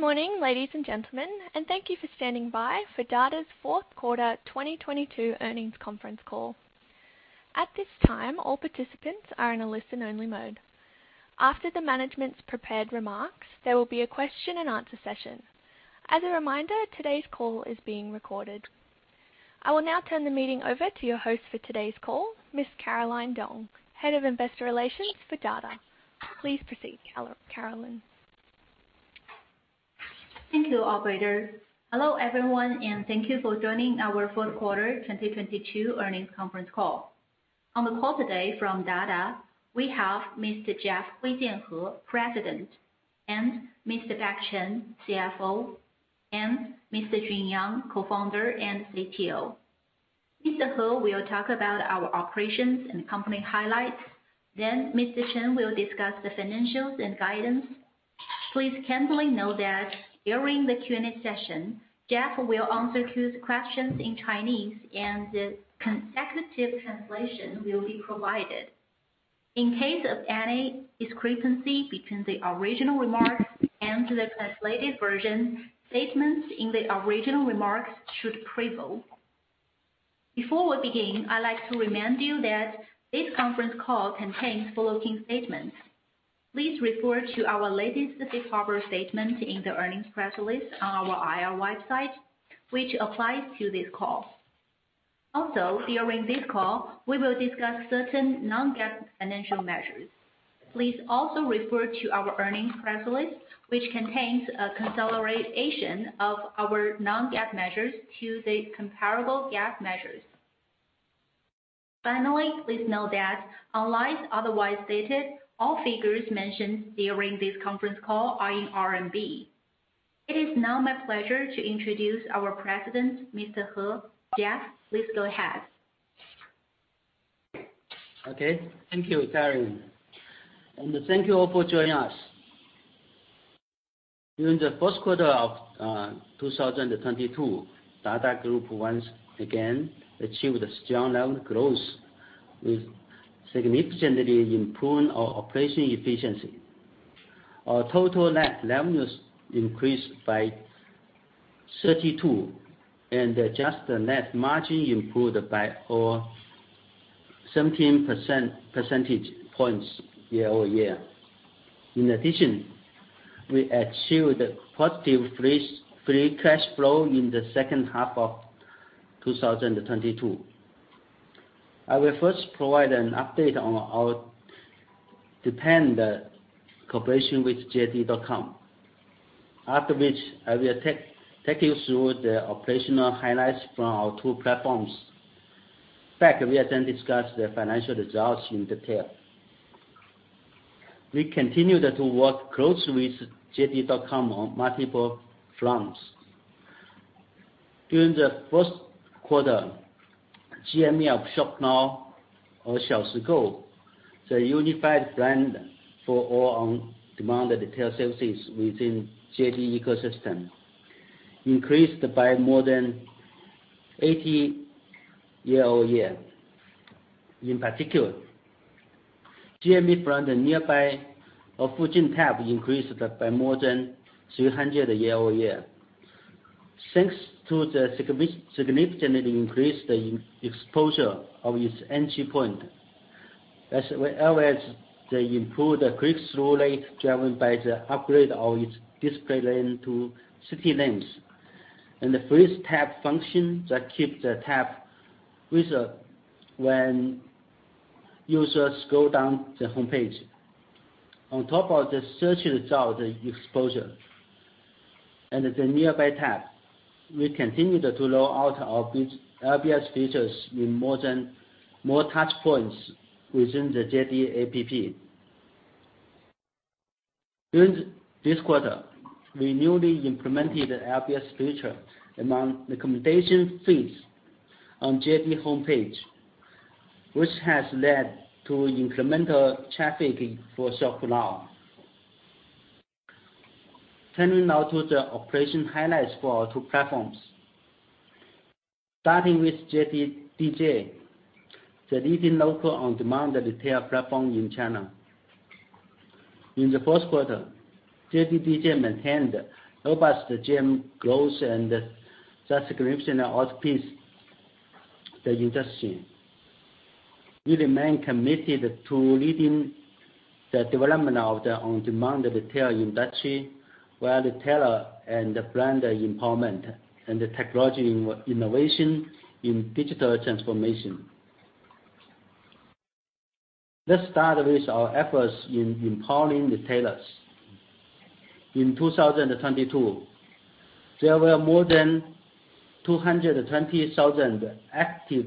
Good morning, ladies and gentlemen, and thank you for standing by for Dada's fourth quarter 2022 earnings conference call. At this time, all participants are in a listen-only mode. After the management's prepared remarks, there will be a question and answer session. As a reminder, today's call is being recorded. I will now turn the meeting over to your host for today's call, Miss Caroline Dong, Head of Investor Relations for Dada Nexus. Please proceed, Caroline. Thank you, operator. Hello, everyone, and thank you for joining our fourth quarter 2022 earnings conference call. On the call today from Dada, we have Mr. Jeff Huijian He, President, and Mr. Beck Chen, CFO, and Mr. Jun Yang, Co-Founder and CTO. Mr. Hu will talk about our operations and company highlights. Mr. Chen will discuss the financials and guidance. Please kindly note that during the Q&A session, Jeff will answer questions in Chinese, and the consecutive translation will be provided. In case of any discrepancy between the original remarks and the translated version, statements in the original remarks should prevail. Before we begin, I'd like to remind you that this conference call contains forward-looking statements. Please refer to our latest safe harbor statement in the earnings press release on our IR website, which applies to this call. During this call, we will discuss certain non-GAAP financial measures. Please also refer to our earnings press release, which contains a consolidation of our non-GAAP measures to the comparable GAAP measures. Please note that unless otherwise stated, all figures mentioned during this conference call are in RMB. It is now my pleasure to introduce our President, Mr. Hu. Jeff, please go ahead. Okay. Thank you, Caroline. Thank you all for joining us. During the first quarter of 2022, Dada Group once again achieved strong revenue growth with significantly improving our operating efficiency. Our total net revenues increased by 32%, and the adjusted net margin improved by 17 percentage points year-over-year. In addition, we achieved positive free cash flow in the second half of 2022. I will first provide an update on our deepened cooperation with JD.com, after which I will take you through the operational highlights from our two platforms. Beck will then discuss the financial results in detail. We continued to work closely with JD.com on multiple fronts. During the first quarter, CME of ShopNow or Xiao Shigo, the unified brand for all on-demand retail services within JD ecosystem, increased by more than 80% year-over-year. In particular, CME from the Nearby of Fuchin tab increased by more than 300% year-over-year. Thanks to the significant increased in exposure of its entry point. As always, they improved click-through rate, driven by the upgrade of its display lane to city lanes and the freeze tab function that keep the tab visible when users scroll down the homepage. On top of the search results exposure and the Nearby tab, we continued to roll out our big LBS features with more touchpoints within the JD app. During this quarter, we newly implemented LBS feature among recommendation feeds on JD homepage, which has led to incremental traffic for ShopNow. Turning now to the operation highlights for our two platforms. Starting with JDDJ, the leading local on-demand retail platform in China. In the first quarter, JDDJ maintained robust CME growth and significant outpace the industry. We remain committed to leading the development of the on-demand retail industry via retailer and brand empowerment and technology innovation in digital transformation. Let's start with our efforts in empowering retailers. In 2022, there were more than 220,000 active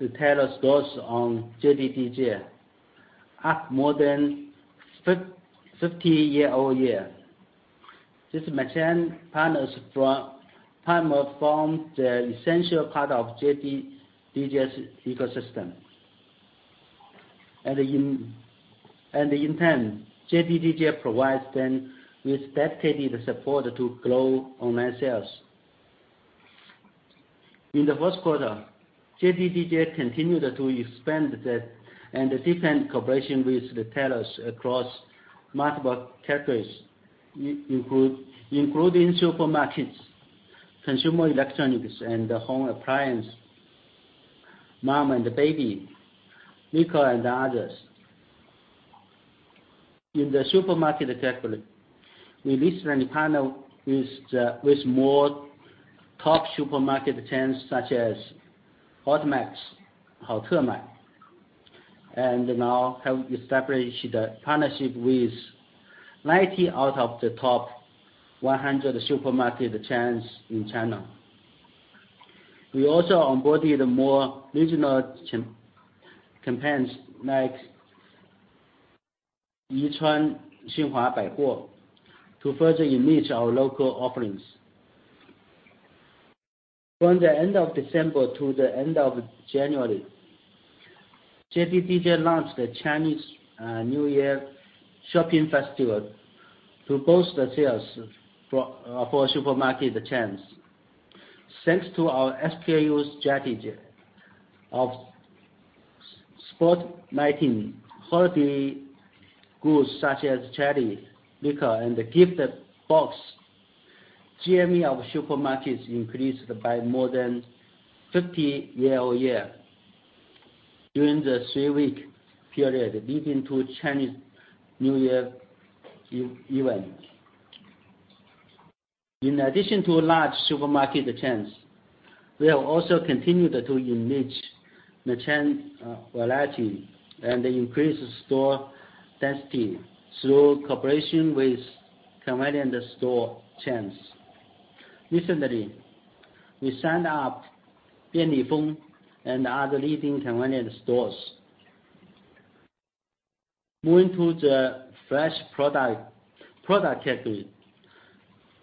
retailer stores on JDDJ, up more than 50% year-over-year. This merchant partner from the essential part of JDDJ's ecosystem. In turn, JDDJ provides them with dedicated support to grow online sales. In the first quarter, JDDJ continued to expand the depth and the different cooperation with retailers across multiple categories, including supermarkets, consumer electronics and home appliance, mom and baby, liquor and others. In the supermarket category, we recently partnered with more top supermarket chains such as HotMaxx, and now have established a partnership with 90 out of the top 100 supermarket chains in China. We also onboarded more regional chain-companies like Yichuan Xinhua Baiguo to further enrich our local offerings. From the end of December to the end of January, JDDJ launched the Chinese New Year shopping festival to boost the sales for supermarket chains. Thanks to our SKUs strategy of spotlighting holiday goods such as cherry liquor and gift box, CME of supermarkets increased by more than 50% year-on-year during the 3-week period leading to Chinese New Year event. In addition to large supermarket chains, we have also continued to enrich merchant variety and increase store density through cooperation with convenient store chains. Recently, we signed up Bianlifeng and other leading convenience stores. Moving to the fresh product category.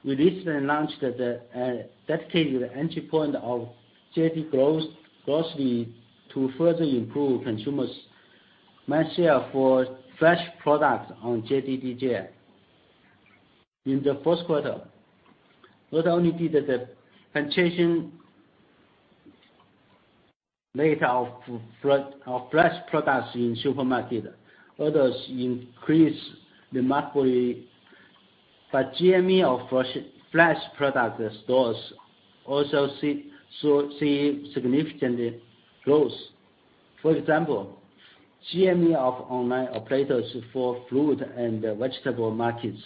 We recently launched the dedicated entry point of JD Grocery to further improve consumers' mindshare for fresh products on JDDJ. In the first quarter, not only did the penetration rate of fresh products in supermarket orders increase remarkably, but CME of fresh product stores also saw significant growth. For example, CME of online operators for fruit and vegetable markets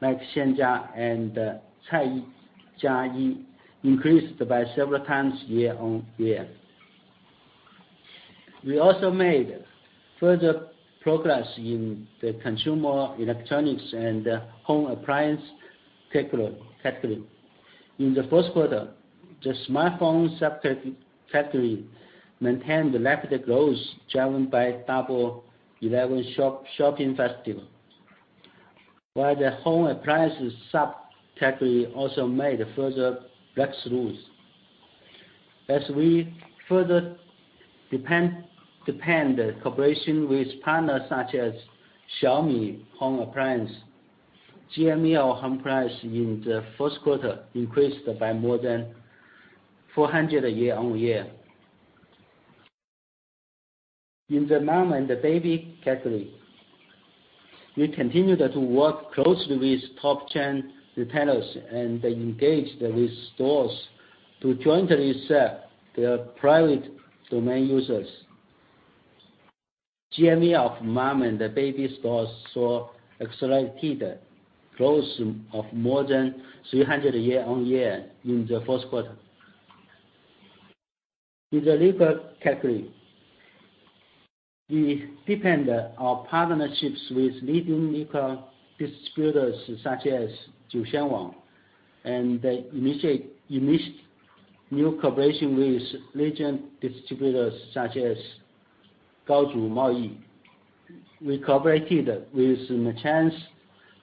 like Xianjia and CaiJiaYi increased by several times year-on-year. We also made further progress in the consumer electronics and home appliance category. In the first quarter, the smartphone subcategory maintained rapid growth, driven by Double Eleven shopping festival, while the home appliances subcategory also made further breakthroughs. As we further depend cooperation with partners such as Xiaomi Home Appliance, CME of home appliance in the first quarter increased by more than 400% year-on-year. In the mom and the baby category, we continued to work closely with top chain retailers and engage with stores to jointly serve their private domain users. CME of mom and baby stores saw accelerated growth of more than 300 year-on-year in the first quarter. In the liquor category, we deepened our partnerships with leading liquor distributors such as Jiuxianwang, and initiate new cooperation with leading distributors such as Gaozu Maoyi. We cooperated with merchants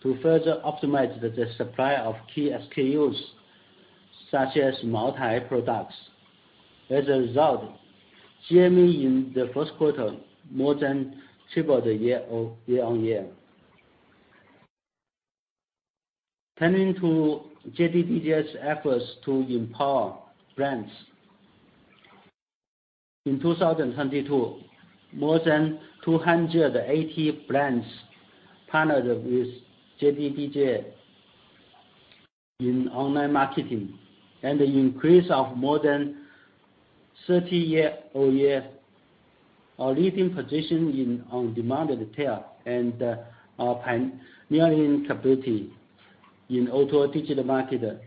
to further optimize the supply of key SKUs, such as Maotai products. As a result, CME in the first quarter more than tripled year-on-year. Turning to JDDJ's efforts to empower brands. In 2022, more than 280 brands partnered with JDDJ in online marketing. An increase of more than 30 year-on-year. Our leading position in on-demand retail and our pioneering capability in O2O digital market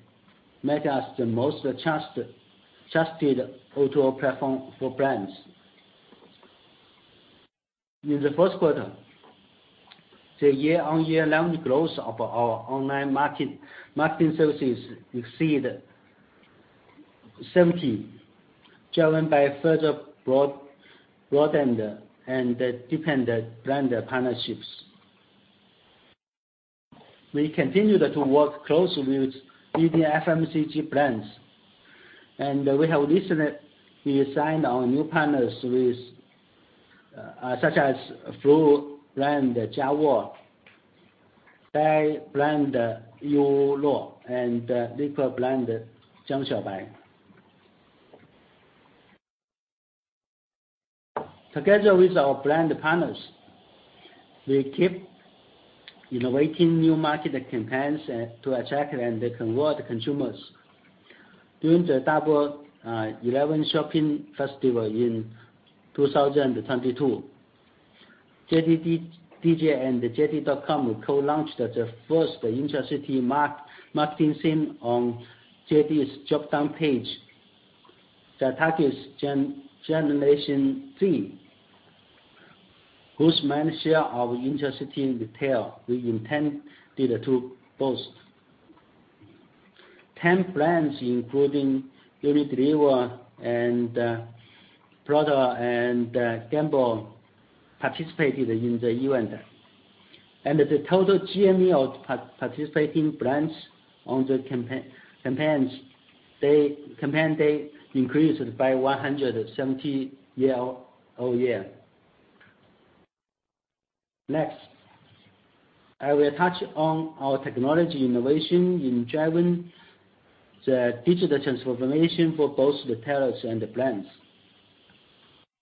make us the most trusted auto platform for brands. In the first quarter, the year-on-year revenue growth of our online marketing services exceed 70%, driven by further broadened and deepened brand partnerships. We continue to work closely with leading FMCG brands, and we have recently signed our new partners with such as Fruit Cube by Jiangxiaobai brand and liquor brand Jiangxiaobai. Together with our brand partners, we keep innovating new market campaigns to attract and convert consumers. During the Double 11 Shopping Festival in 2022, JDDJ and JD.com co-launched the first in-city marketing scene on JD's drop down page that targets generation three, whose main share of intercity retail we intended to boost. 10 brands, including Unilever and Procter & Gamble participated in the event. The total CME of participating brands on the campaigns increased by 170% year-over-year. I will touch on our technology innovation in driving the digital transformation for both retailers and the brands.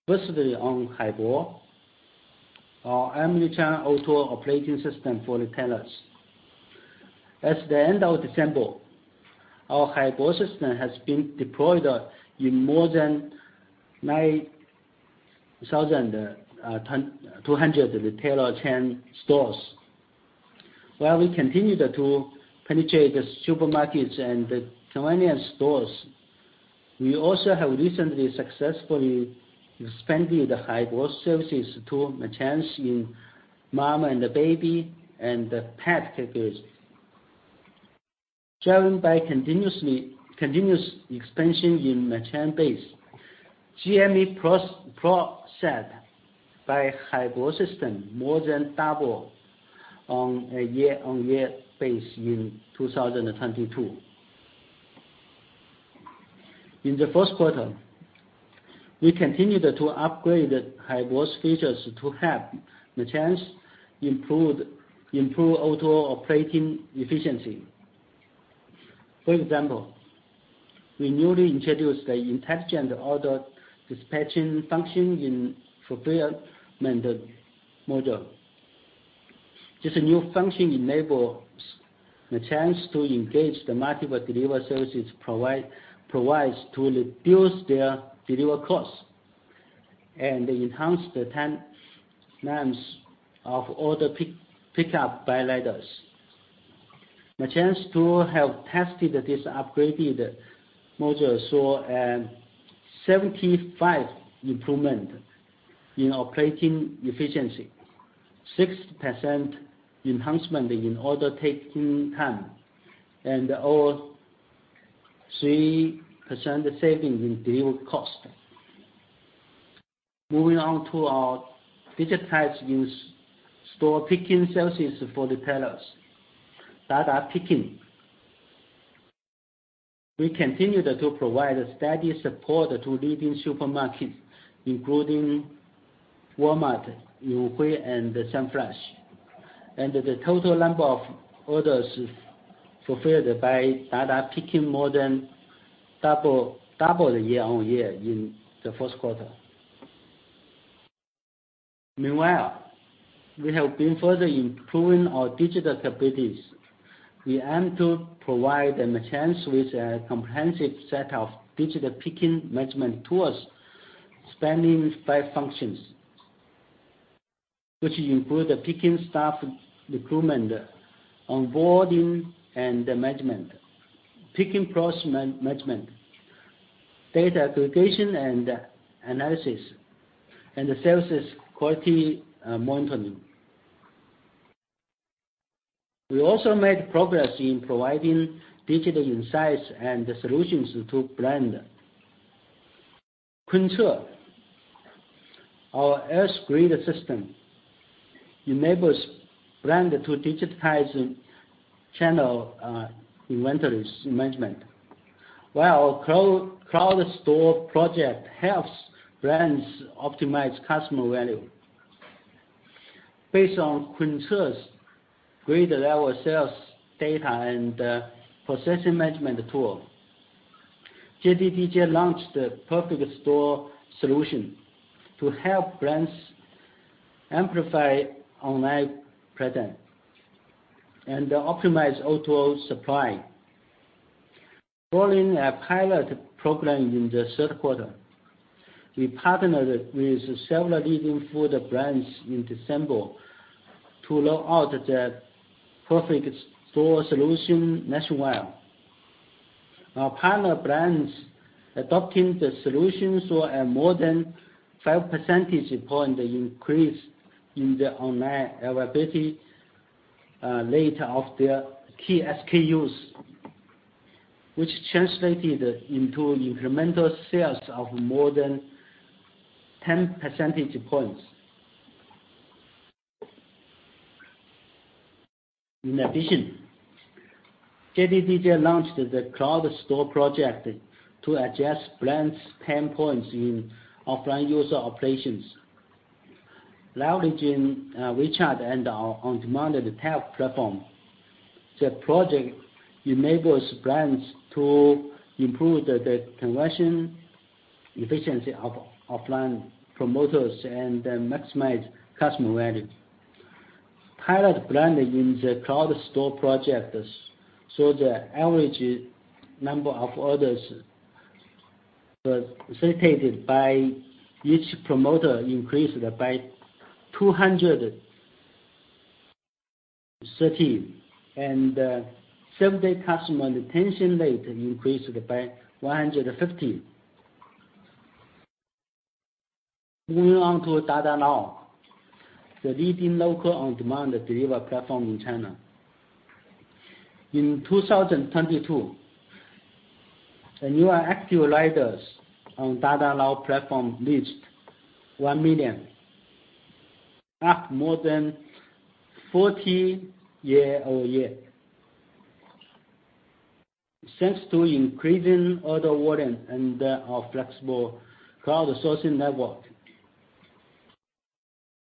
On Haibo, our omni-channel online retail operating system for retailers. As the end of December, our Haibo system has been deployed in more than 9,200 retailer chain stores. We continue to penetrate the supermarkets and the convenience stores, we also have recently successfully expanded Haibo services to merchants in mom and the baby and pet categories. Driven by continuous expansion in merchant base, CME processed by Haibo system more than doubled on a year-on-year base in 2022. In the first quarter, we continued to upgrade Haibo's features to help merchants improve auto operating efficiency. For example, we newly introduced the intelligent order dispatching function in fulfillment module. This new function enables merchants to engage the multiple delivery services provides to reduce their delivery costs and enhance the timelines of order pick up by riders. Merchants who have tested this upgraded module saw a 75 improvement in operating efficiency, 6% enhancement in order taking time, and over 3% saving in delivery cost. Our digitized in-store picking services for retailers, Dada Picking. We continued to provide steady support to leading supermarkets, including Walmart, Yonghui, and Sun Fresh. The total number of orders fulfilled by Dada Picking more than doubled year-on-year in the first quarter. Meanwhile, we have been further improving our digital capabilities. We aim to provide the merchants with a comprehensive set of digital picking management tools spanning five functions, which include the picking staff recruitment, onboarding and management, picking process man-management, data aggregation and analysis, and services quality monitoring. We also made progress in providing digital insights and solutions to brand. Kunche, our S-grade system, enables brand to digitize channel inventories management, while Cloud Store project helps brands optimize customer value. Based on Kunche's grade level sales data and processing management tool, JDDJ launched the perfect store solution to help brands amplify online presence and optimize O2O supply. Following a pilot program in the third quarter, we partnered with several leading food brands in December to roll out the perfect store solution nationwide. Our partner brands adopting the solution saw a more than 5 percentage point increase in the online availability rate of their key SKUs, which translated into incremental sales of more than 10 percentage points. In addition, JDDJ launched the Cloud Store project to adjust brands' pain points in offline user operations. Leveraging WeChat and our on-demand tech platform, the project enables brands to improve the conversion efficiency of offline promoters and maximize customer value. Pilot brand in the Cloud Store project, so the average number of orders facilitated by each promoter increased by 230, and 7-day customer retention rate increased by 150. Moving on to Dada Now, the leading local on-demand delivery platform in China. In 2022, the new active riders on Dada Now platform reached 1 million, up more than 40 year-on-year. Thanks to increasing order volume and our flexible crowdsourcing network,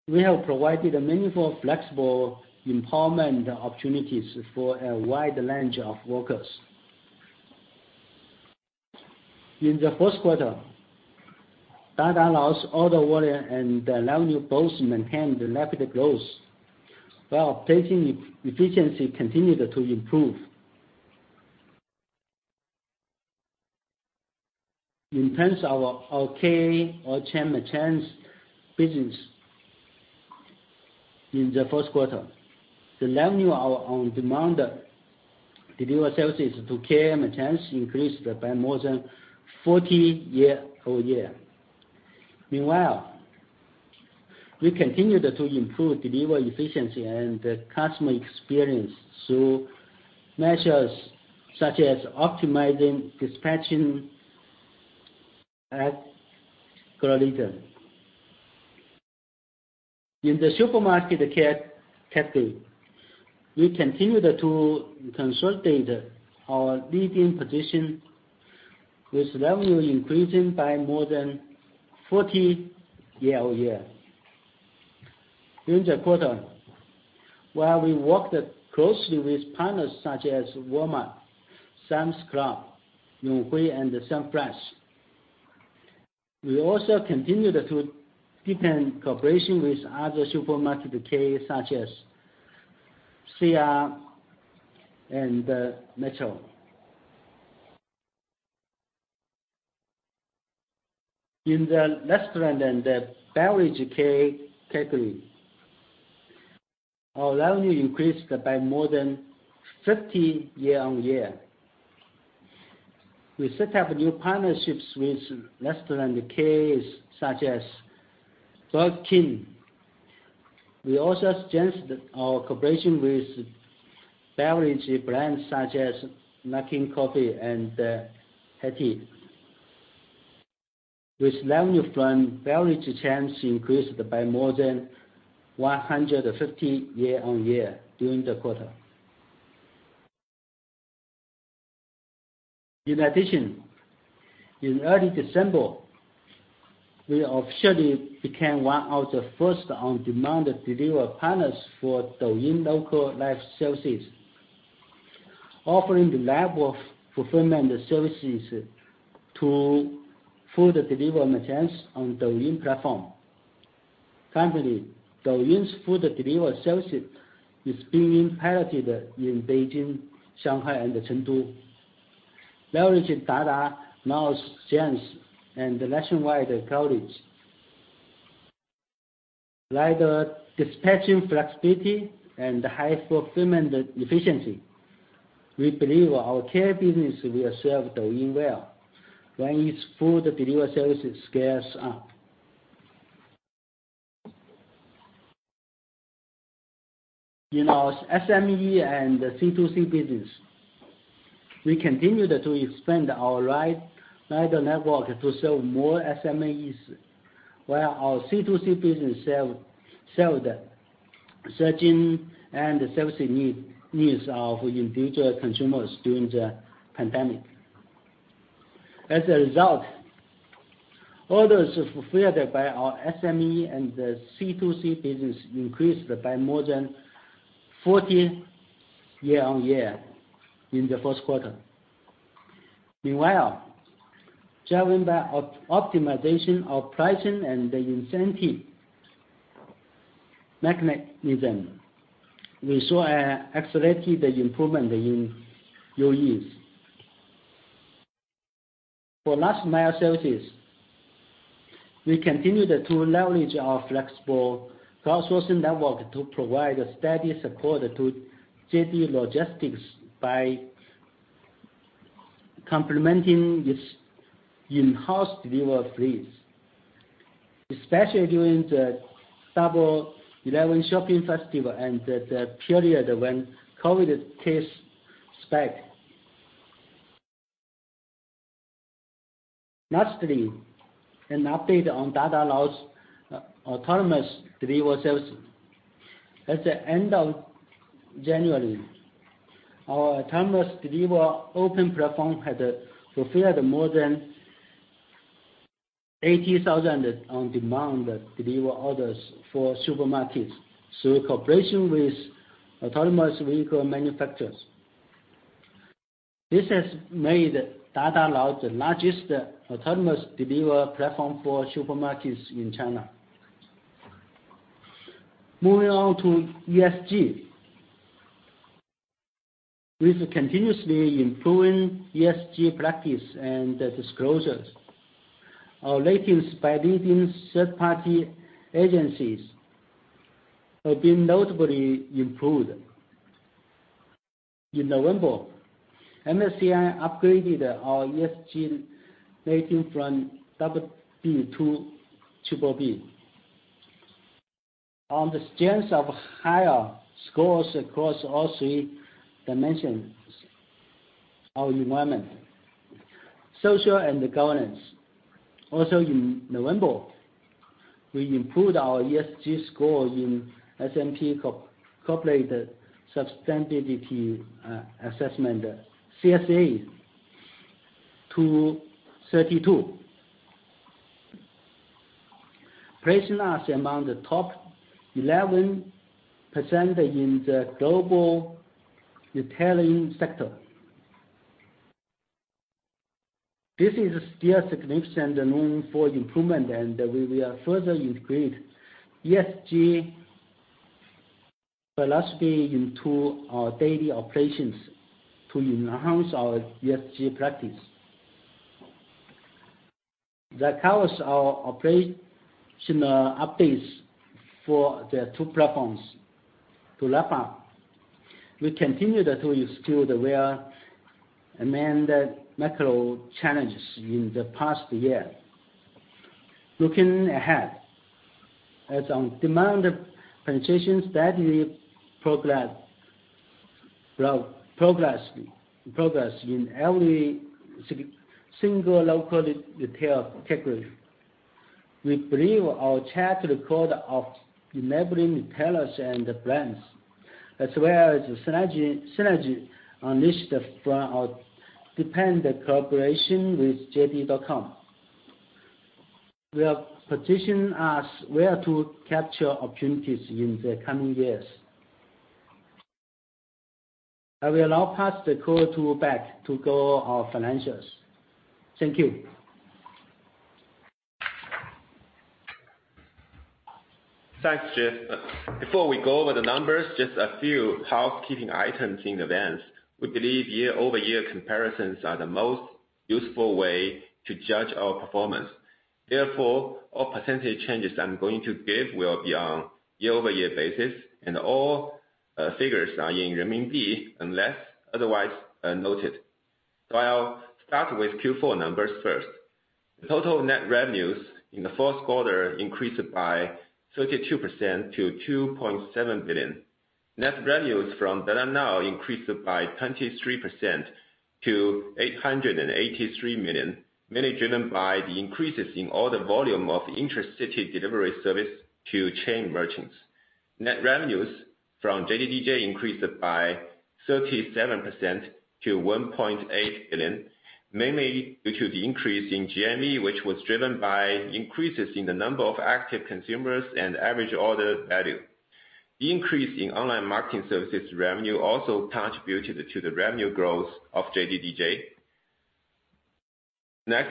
we have provided meaningful, flexible employment opportunities for a wide range of workers. In the first quarter, Dada Now's order volume and revenue both maintained rapid growth, while operating efficiency continued to improve. In terms of our KA or chain merchants business, in the first quarter, the revenue of on-demand delivery services to KA merchants increased by more than 40% year-on-year. Meanwhile, we continued to improve delivery efficiency and customer experience through measures such as optimizing dispatching algorithm. In the supermarket category, we continued to consolidate our leading position with revenue increasing by more than 40% year-on-year. During the quarter, while we worked closely with partners such as Walmart, Sam's Club, Yonghui, and the Sun Fresh. We also continued to deepen cooperation with other supermarket K such as CR and Metro. In the restaurant and beverage KA category, our revenue increased by more than 50% year-on-year. We set up new partnerships with restaurant KAs such as Burger King. We also strengthened our cooperation with beverage brands such as Luckin Coffee and HEYTEA. With revenue from beverage chains increased by more than 150% year-on-year during the quarter. In addition, in early December, we officially became one of the first on-demand delivery partners for Douyin Local Life Services, offering the level of fulfillment services to food delivery merchants on Douyin platform. Currently, Douyin's food delivery services is being piloted in Beijing, Shanghai, and Chengdu. Leveraging Dada Now's strengths and nationwide coverage. Like dispatching flexibility and high fulfillment efficiency, we believe our KA business will serve Douyin well when its food delivery services scales up. In our SME and C2C business, we continued to expand our rider network to serve more SMEs, while our C2C business served searching and service needs of individual consumers during the pandemic. As a result, orders fulfilled by our SME and C2C business increased by more than 40 year-on-year in the first quarter. Meanwhile, driven by optimization of pricing and the incentive mechanism, we saw accelerated improvement in OEs. For last mile services, we continued to leverage our flexible crowdsourcing network to provide steady support to JD Logistics by complementing its in-house delivery fleets, especially during the Double Eleven shopping festival and the period when COVID case spiked. Lastly, an update on Dada Now's autonomous delivery services. At the end of January, our autonomous delivery open platform had fulfilled more than 80,000 on-demand delivery orders for supermarkets through cooperation with autonomous vehicle manufacturers. This has made Dada Now the largest autonomous delivery platform for supermarkets in China. Moving on to ESG. With continuously improving ESG practice and disclosures, our ratings by leading third-party agencies have been notably improved. In November, MSCI upgraded our ESG rating from BB to triple B on the strength of higher scores across all three dimensions: our environment, social, and governance. Also, in November, we improved our ESG score in S&P Corporate Sustainability Assessment, CSA to 32, placing us among the top 11% in the global retailing sector. This is still significant room for improvement, and we will further integrate ESG philosophy into our daily operations to enhance our ESG practice. That covers our operational updates for the two platforms. To wrap up, we continue to execute well amid the macro challenges in the past year. Looking ahead, as on-demand penetration steadily progress in every single local retail category, we believe our track record of enabling retailers and brands as well as synergy unleashed from our deepened collaboration with JD.com will position us well to capture opportunities in the coming years. I will now pass the call to Beck to go over our financials. Thank you. Thanks, Jeff. Before we go over the numbers, just a few housekeeping items in advance. We believe year-over-year comparisons are the most useful way to judge our performance. All percentage changes I'm going to give will be on year-over-year basis, and all figures are in RMB, unless otherwise noted. I'll start with Q4 numbers first. The total net revenues in the fourth quarter increased by 32% to 2.7 billion. Net revenues from Dada Now increased by 23% to 883 million, mainly driven by the increases in order volume of intracity delivery service to chain merchants. Net revenues from JDDJ increased by 37% to 1.8 billion, mainly due to the increase in CME, which was driven by increases in the number of active consumers and average order value. Increase in online marketing services revenue also contributed to the revenue growth of JDDJ.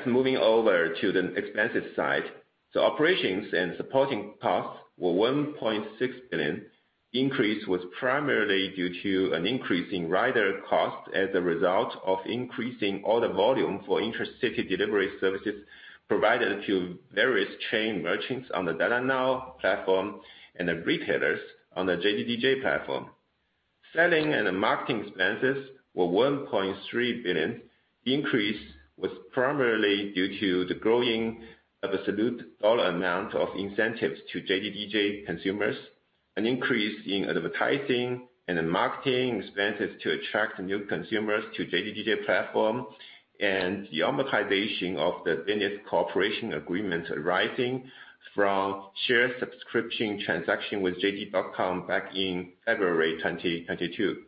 Moving over to the expenses side. Operations and supporting costs were 1.6 billion. Increase was primarily due to an increase in rider costs as a result of increasing order volume for intra-city delivery services provided to various chain merchants on the Dada Now platform and the retailers on the JDDJ platform. Selling and marketing expenses were 1.3 billion. Increase was primarily due to the growing of absolute dollar amount of incentives to JDDJ consumers, an increase in advertising and marketing expenses to attract new consumers to JDDJ platform, and the amortization of the Business Cooperation Agreement arising from share subscription transaction with JD.com back in February 2022.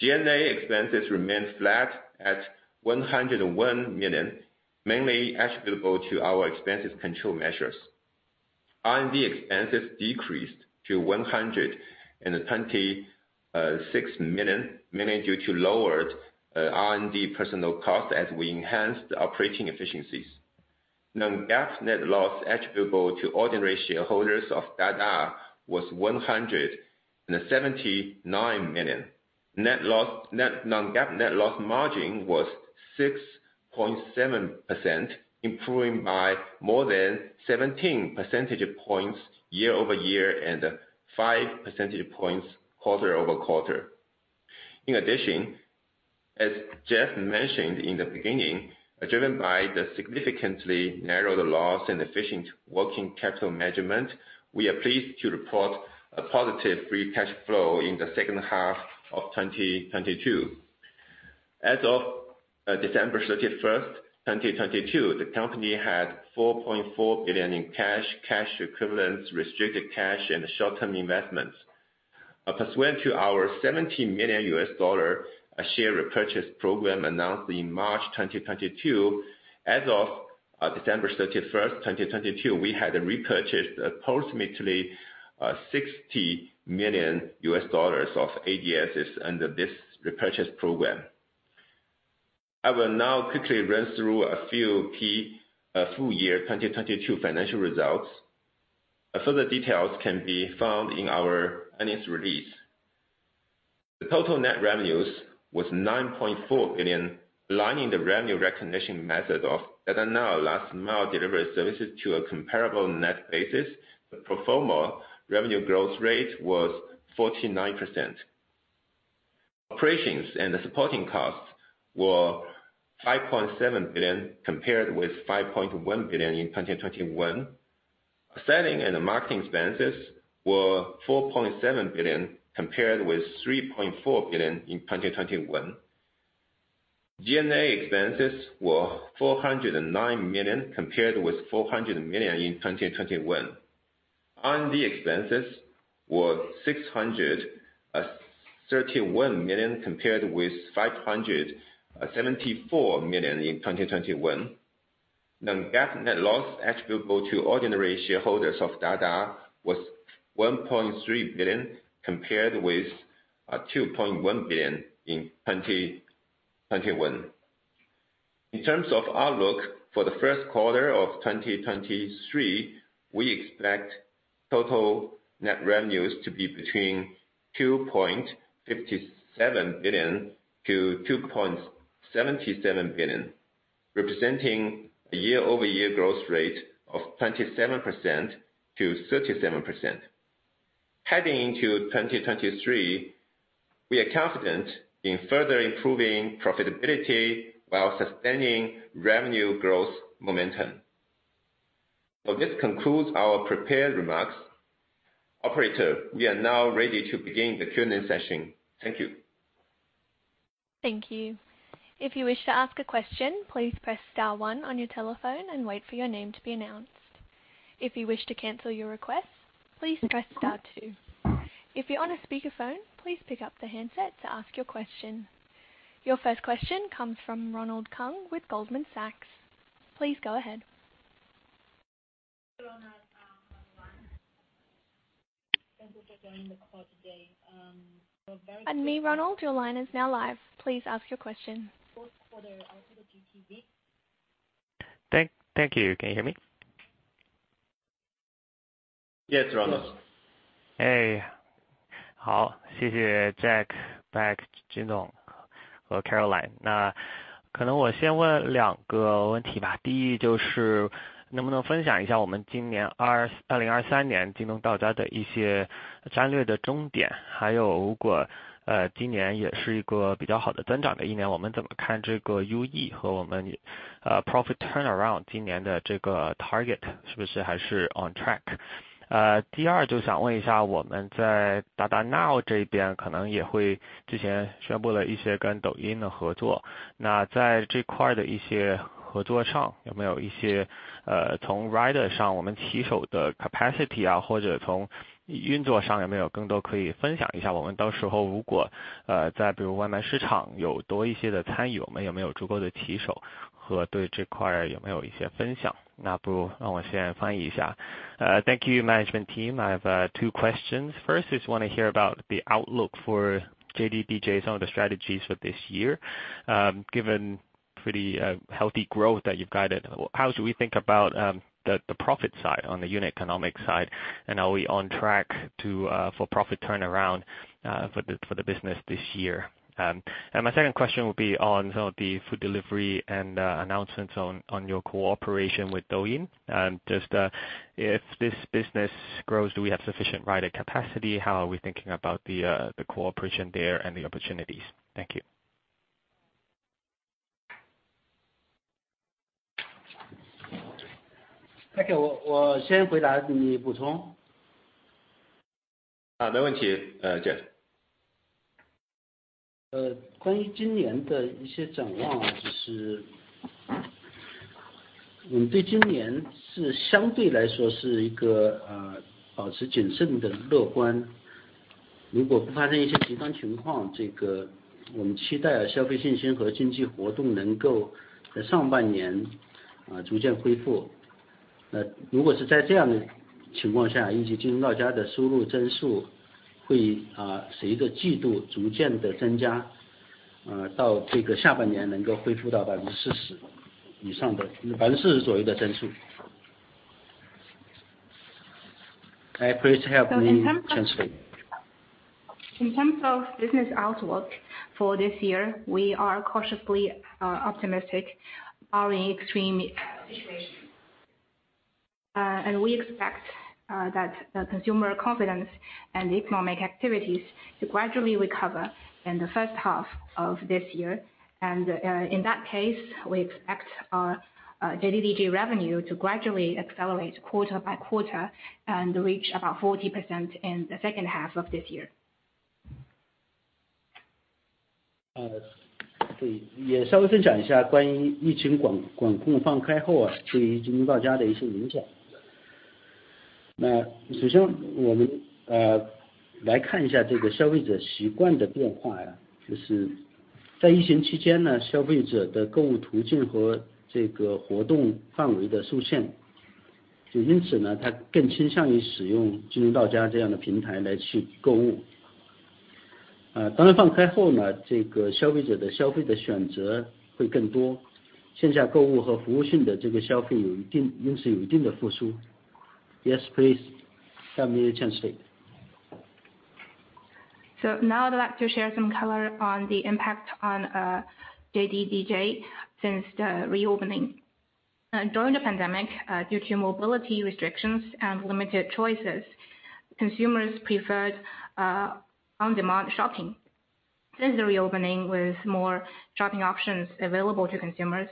G&A expenses remained flat at 101 million, mainly attributable to our expenses control measures. R&D expenses decreased to 126 million, mainly due to lowered R&D personnel costs as we enhanced operating efficiencies. Non-GAAP net loss attributable to ordinary shareholders of Dada was 179 million. Non-GAAP net loss margin was 6.7%, improving by more than 17 percentage points year-over-year and 5 percentage points quarter-over-quarter. In addition, as Jeff mentioned in the beginning, driven by the significantly narrowed loss and efficient working capital management, we are pleased to report a positive free cash flow in the second half of 2022. As of December 31, 2022, the company had 4.4 billion in cash equivalents, restricted cash and short-term investments. Pursuant to our $70 million share repurchase program announced in March 2022, as of December 31, 2022, we had repurchased approximately $60 million of ADSs under this repurchase program. I will now quickly run through a few key full year 2022 financial results. Further details can be found in our earnings release. The total net revenues was $9.4 billion, lining the revenue recognition method of Dada Now last mile delivery services to a comparable net basis. Pro forma revenue growth rate was 49%. Operations and the supporting costs were $5.7 billion, compared with $5.1 billion in 2021. Selling and the marketing expenses were $4.7 billion compared with $3.4 billion in 2021. G&A expenses were 409 million, compared with 400 million in 2021. R&D expenses were 631 million, compared with 574 million in 2021. non-GAAP net loss attributable to ordinary shareholders of Dada was 1.3 billion compared with 2.1 billion in 2021. In terms of outlook for the first quarter of 2023, we expect total net revenues to be between 2.57 billion-2.77 billion, representing a year-over-year growth rate of 27%-37%. Heading into 2023, we are confident in further improving profitability while sustaining revenue growth momentum. This concludes our prepared remarks. Operator, we are now ready to begin the Q&A session. Thank you. Thank you. If you wish to ask a question, please press star one on your telephone and wait for your name to be announced. If you wish to cancel your request, please press star two. If you're on a speakerphone, please pick up the handset to ask your question. Your first question comes from Ronald Keung with Goldman Sachs. Please go ahead. Ronald on the line. Thank you for joining the call today. Me, Ronald, your line is now live. Please ask your question. Fourth quarter 2022. Thank you. Can you hear me? Yes, Ronald. Hey, Jack, Beck Chen, Jin Dong, Caroline. Thank you management team. I have two questions. First is wanna hear about the outlook for JDDJ and some of the strategies for this year. Given pretty healthy growth that you've guided, how should we think about the profit side on the unit economic side? Are we on track to for profit turnaround for the business this year? My second question would be on some of the food delivery and announcements on your cooperation with Douyin. Just, if this business grows, do we have sufficient rider capacity? How are we thinking about the cooperation there and the opportunities? Thank you. Okay. Please help me translate. In terms of business outlook for this year, we are cautiously optimistic barring extreme situation. We expect that the consumer confidence and economic activities to gradually recover in the first half of this year. In that case, we expect our JDDJ revenue to gradually accelerate quarter by quarter and reach about 40% in the second half of this year. 对也稍微分享一下关于疫情管控放开后对于 JDDJ 的一些影响。首先我们来看一下这个消费者习惯的变化就是在疫情期间消费者的购物途径和这个活动范围的受限就因此他更倾向于使用 JDDJ 这样的平台来去购物。当然放开后这个消费者的消费的选择会更多线下购物和服务性的这个消费因此有一定的复苏。Yes please. Wang Yi translate. Now I'd like to share some color on the impact on JDDJ since the reopening. During the pandemic, due to mobility restrictions and limited choices, consumers preferred on-demand shopping. Since the reopening with more shopping options available to consumers,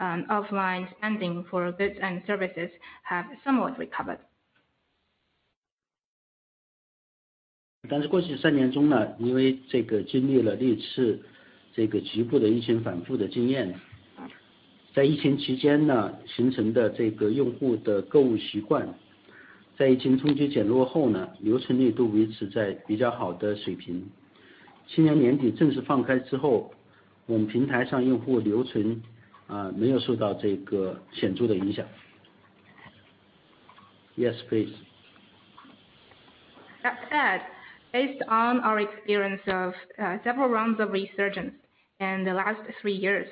offline spending for goods and services have somewhat recovered. 过去3年中呢因为这个经历了历次这个局部的疫情反复的经验在疫情期间呢形成的这个用户的购物习惯在疫情冲击减弱后呢留存率都维持在比较好的水平。今年年底正式放开之后我们平台上用户留存没有受到这个显著的影响。Yes please. That said, based on our experience of several rounds of resurgence in the last three years,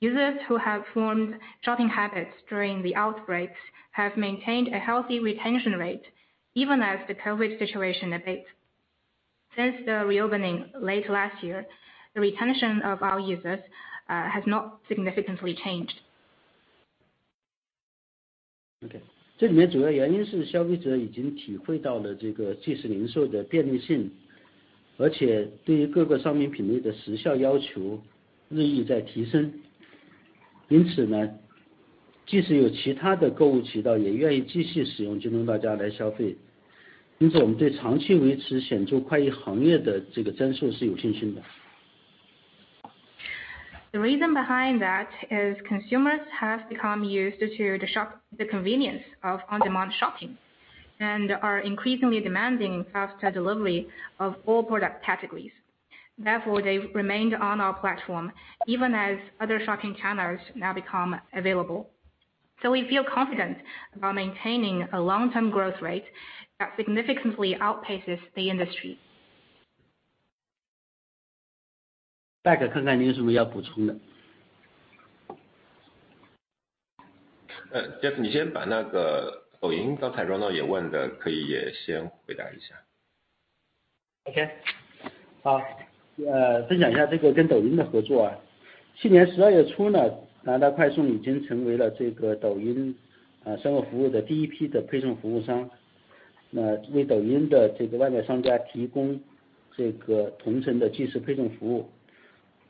users who have formed shopping habits during the outbreaks have maintained a healthy retention rate even as the COVID situation abates. Since the reopening late last year, the retention of our users has not significantly changed. 这里面主要原因是消费者已经体会到了这个即时零售的便利性而且对于各个商品品类的时效要求日益在提升。因此呢即使有其他的购物渠道也愿意继续使用京东到家来消费。因此我们对长期维持显著快一行业的这个增速是有信心的。The reason behind that is consumers have become used to the shop, the convenience of on-demand shopping, and are increasingly demanding faster delivery of all product categories. They remained on our platform even as other shopping channels now become available. We feel confident about maintaining a long term growth rate that significantly outpaces the industry. Back 看看您是不是要补充的。Jeff 你先把那个 Douyin 刚才 Ronald 也问的可以也先回答一 下. OK。好呃分享一下这个跟抖音的合作啊。去年十二月初呢达达快送已经成为了这个抖音啊生活服务的第一批的配送服务商那为抖音的这个外卖商家提供这个同城的即时配送服务。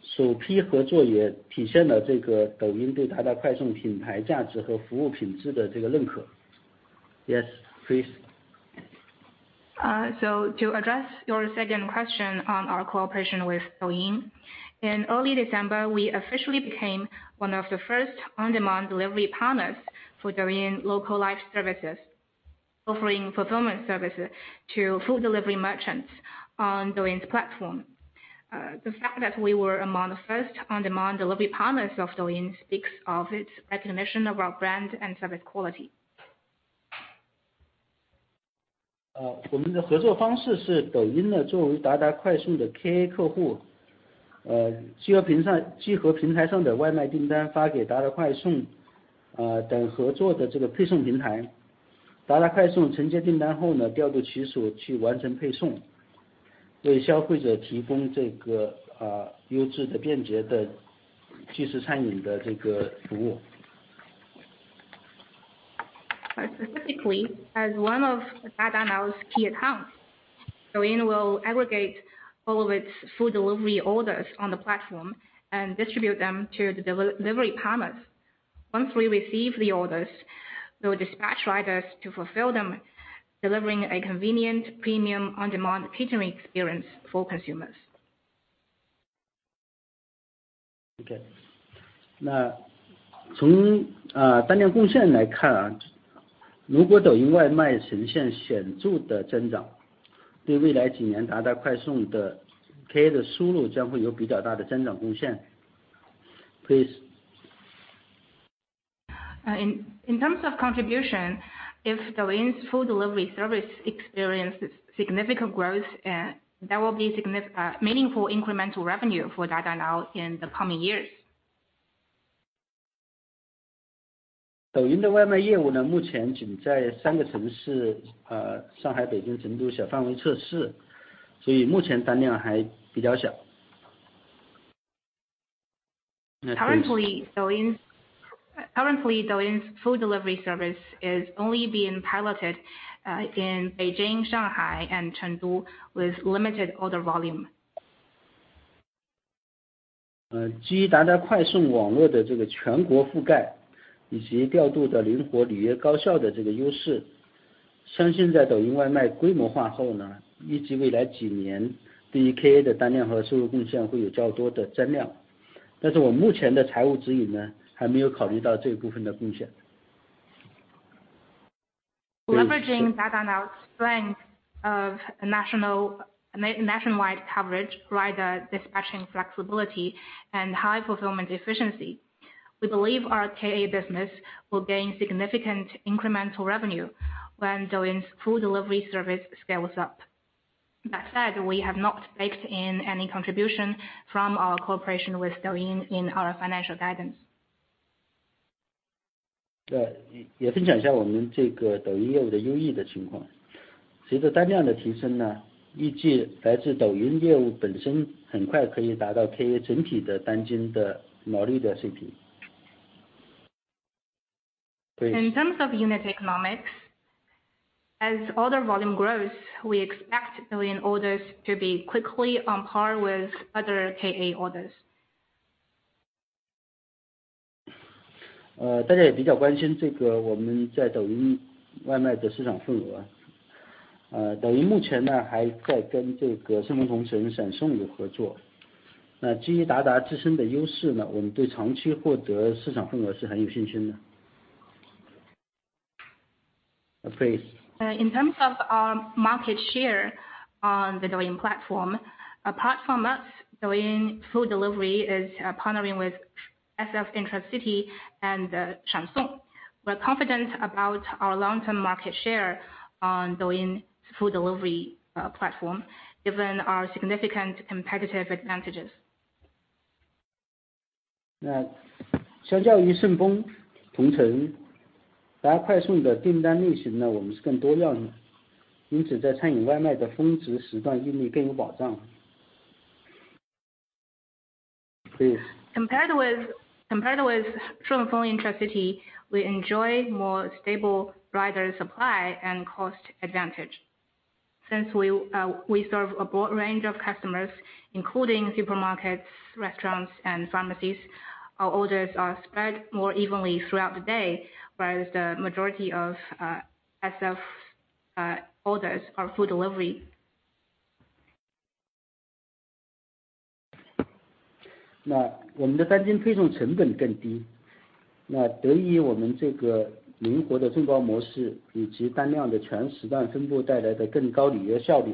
首批合作也体现了这个抖音对达达快送品牌价值和服务品质的这个认可。Yes please。To address your second question on our cooperation with Douyin. In early December, we officially became one of the first on-demand delivery partners for Douyin Local Life Services, offering fulfillment services to food delivery merchants on Douyin's platform. The fact that we were among the first on-demand delivery partners of Douyin speaks of its recognition of our brand and service quality. 呃我们的合作方式是抖音呢作为达达快送的 KA 客户呃集合平台 上， 集合平台上的外卖订单发给达达快送呃等合作的这个配送平台。达达快送承接订单后呢调度骑手去完成配送为消费者提供这个呃优质的便捷的即时餐饮的这个服务。Specifically, as one of Dada Now's key accounts, Douyin will aggregate all of its food delivery orders on the platform and distribute them to the deli, delivery partners. Once we receive the orders, we'll dispatch riders to fulfill them, delivering a convenient, premium on-demand catering experience for consumers. OK. 从单量贡献来看如果 Douyin Local Life Services 呈现显著的增长对未来几年 Dada Now 的 KA 的收入将会有比较大的增长贡 献. Please. In terms of contribution, if Douyin's food delivery service experiences significant growth, that will be meaningful incremental revenue for Dada Now in the coming years. 抖音的外卖业务呢目前仅在三个城市呃上海、北京、成都小范围测试所以目前单量还比较小。Currently, Douyin's food delivery service is only being piloted in Beijing, Shanghai, and Chengdu with limited order volume. 呃基于达达快送网络的这个全国覆盖以及调度的灵活、履约高效的这个优势相信在抖音外卖规模化后 呢， 预计未来几年对 KA 的单量和收入贡献会有较多的增量。但是我目前的财务指引 呢， 还没有考虑到这一部分的贡献。Leveraging Dada Now strength of national, nationwide coverage, rider dispatching flexibility, and high fulfillment efficiency, we believe our KA business will gain significant incremental revenue when Douyin food delivery service scales up. That said, we have not baked in any contribution from our cooperation with Douyin in our financial guidance. 对， 也分享一下我们这个抖音业务的优益的情况。随着单量的提升 呢， 预计来自抖音业务本身很快可以达到 KA 整体的单均的毛利的水平。Please。In terms of unit economics, as order volume grows, we expect Douyin orders to be quickly on par with other KA orders. 呃， 大家也比较关心这个我们在抖音外卖的市场份额。呃， 抖音目前 呢， 还在跟这个顺丰同城闪送有合作。那基于达达自身的优势 呢， 我们对长期获得市场份额是很有信心的。Please。In terms of our market share on the Douyin platform. Apart from us, Douyin food delivery is partnering with SF Intra-city and 闪 送. We are confident about our long term market share on Douyin food delivery platform, given our significant competitive advantages. 相较于 SF Intra-city， Dada Now 的订单类型 呢， 我们是更多样 的， 因此在餐饮外卖的峰值时 段， 运力更有保 障. Compared with SF Intra-city, we enjoy more stable rider supply and cost advantage. Since we serve a broad range of customers, including supermarkets, restaurants and pharmacies, our orders are spread more evenly throughout the day, whereas the majority of SF orders are food delivery. 那我们的单均配送成本更 低, 那得益我们这个灵活的众包模式以及单量的全时段分布带来的更高履约效 率,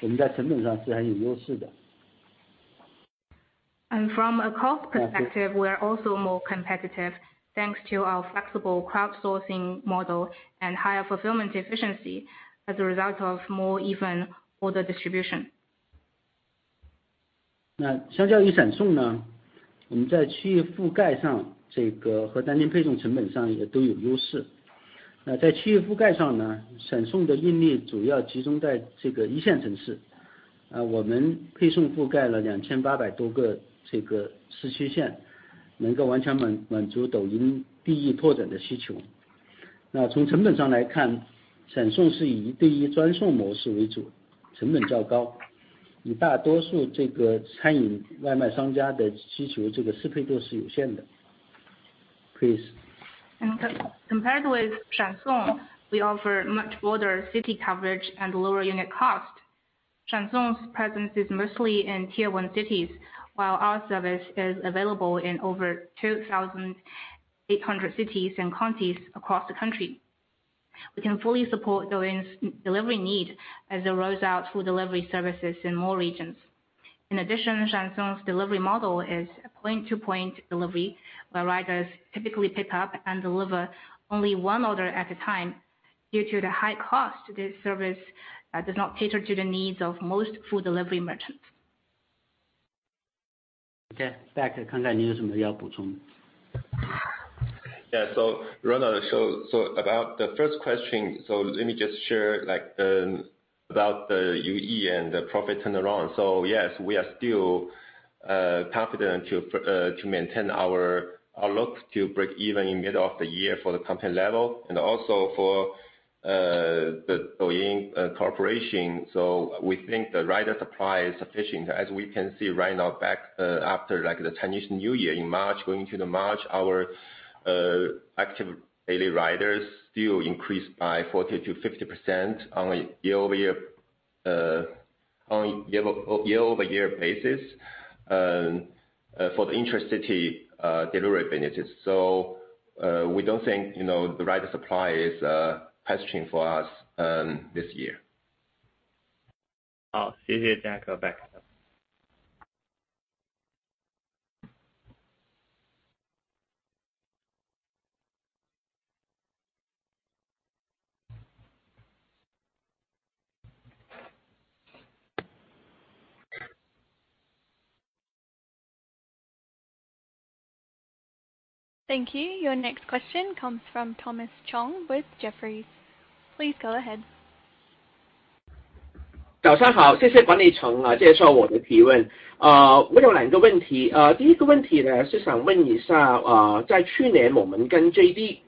我们在成本上是很有优势 的. From a cost perspective, we are also more competitive thanks to our flexible crowdsourcing model and higher fulfillment efficiency as a result of more even order distribution. 那相较于闪送 呢， 我们在区域覆盖 上， 这个和单件配送成本上也都有优势。那在区域覆盖上 呢， 闪送的运力主要集中在这个一线城 市， 呃， 我们配送覆盖了两千八百多个这个市区 县， 能够完全满-满足抖音地域拓展的需求。那从成本上来 看， 闪送是以一对一专送模式为 主， 成本较高，与大多数这个餐饮外卖商家的需求这个适配度是有限的。Please。Compared with 闪送, we offer much broader city coverage and lower unit cost. 闪送 presence is mostly in Tier 1 cities, while our service is available in over 2,800 cities and counties across the country. We can fully support Douyin's delivery need as it rolls out food delivery services in more regions. 闪送 delivery model is a point-to-point delivery, where riders typically pick up and deliver only one order at a time due to the high cost of this service that does not cater to the needs of most food delivery merchants. OK，Jack 看看你有什么要补充。Ronald, about the first question. Let me just share like about the UE and the profit turnaround. Yes, we are still confident to maintain our look to break even in middle of the year for the company level and also for the Douyin cooperation. We think the rider supply is sufficient, as we can see right now back after, like the Chinese New Year in March, going into the March, our active daily riders still increased by 40%-50% on a year-over-year basis for the Intracity delivery benefits. We don't think, you know, the rider supply is a constraint for us this year. 好， 谢谢 Jack。Back。Thank you. Your next question comes from Thomas Chong with Jefferies. Please go ahead. 早上 好， 谢谢管理层接受我的提问。呃， 我有两个问 题， 呃， 第一个问题呢是想问一 下， 呃， 在去年我们跟 JD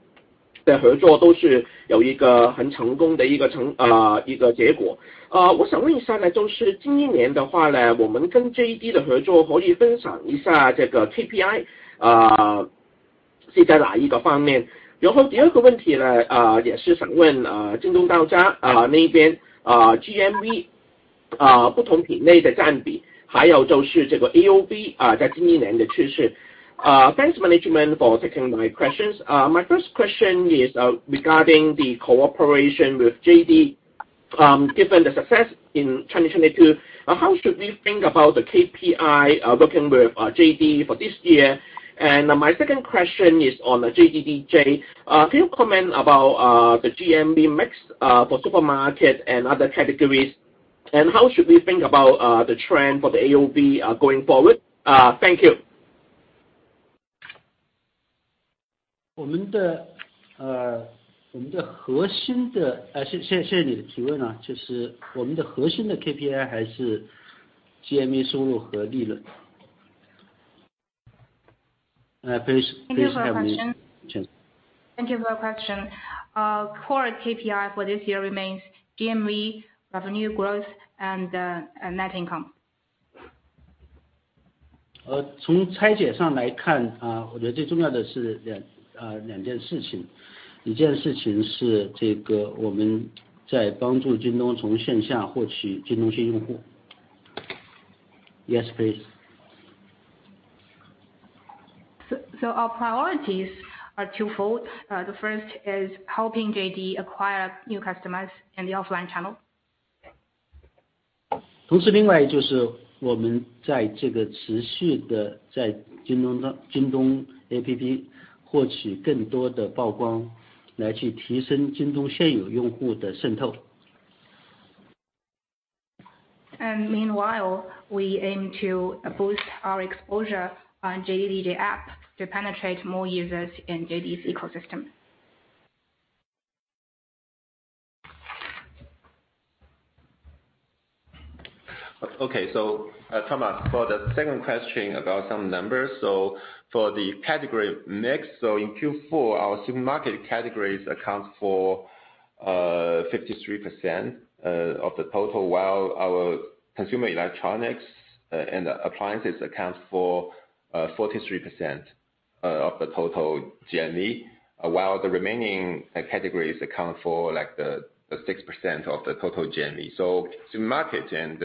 的合作都是有一个很成功的一个 成， 呃， 一个结果。呃， 我想问一下 呢， 就是今年的话 呢， 我们跟 JD 的合作可以分享一下这个 KPI， 呃 -是 在哪一个方面。然后第二个问题 呢， 呃， 也是想 问， 呃， 京东到 家， 呃， 那 边， 呃， CME， 呃， 不同品类的占 比， 还有就是这个 AOV， 呃， 在今年的是是。Uh, thanks management for taking my questions. My first question is regarding the cooperation with JD. Given the success in 2022, how should we think about the KPI working with JD for this year? My second question is on JDDJ. Can you comment about the CME mix for supermarket and other categories? How should we think about the trend for the AOV going forward? Thank you. 谢谢你的提问。就是我们的核心的 KPI 还是 CME 收入和利润。please Thank you for your question. 请. Thank you for your question. core KPI for this year remains CME, revenue growth, and net income. 从拆解上来 看， 我觉得最重要的是两件事 情， 一件事情是我们在帮助 JD.com 从线下获取 JD.com 新用户。Yes please. Our priorities are twofold. The first is helping JD acquire new customers in the offline channel. 同时另外就是我们在这个持续地在京 东， 京东 APP 获取更多的曝 光， 来去提升京东现有用户的渗透。Meanwhile, we aim to boost our exposure on JDDJ app to penetrate more users in JD's ecosystem. Thomas, for the second question about some numbers. For the category mix, in Q4, our supermarket categories account for 53% of the total, while our consumer electronics and appliances account for 43% of the total CME, while the remaining categories account for like the 6% of the total CME. Supermarket and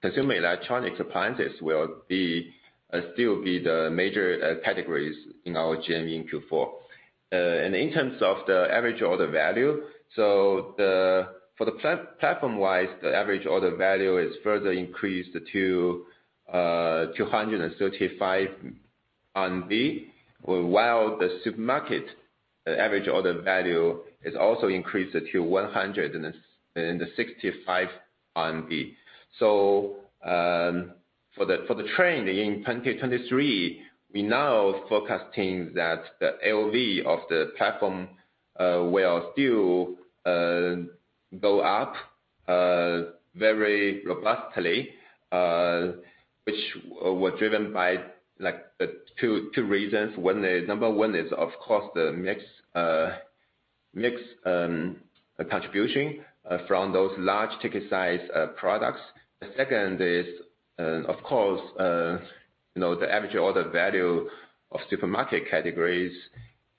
consumer electronics appliances will still be the major categories in our CME in Q4. In terms of the average order value. For the platform wise, the average order value is further increased to 235 RMB, while the supermarket average order value is also increased to 165. For the trend in 2023, we now forecasting that the AOV of the platform will still go up very robustly, which were driven by like the two reasons. One is, number 1 is of course the mix contribution from those large ticket size products. The second is, of course, you know, the average order value of supermarket categories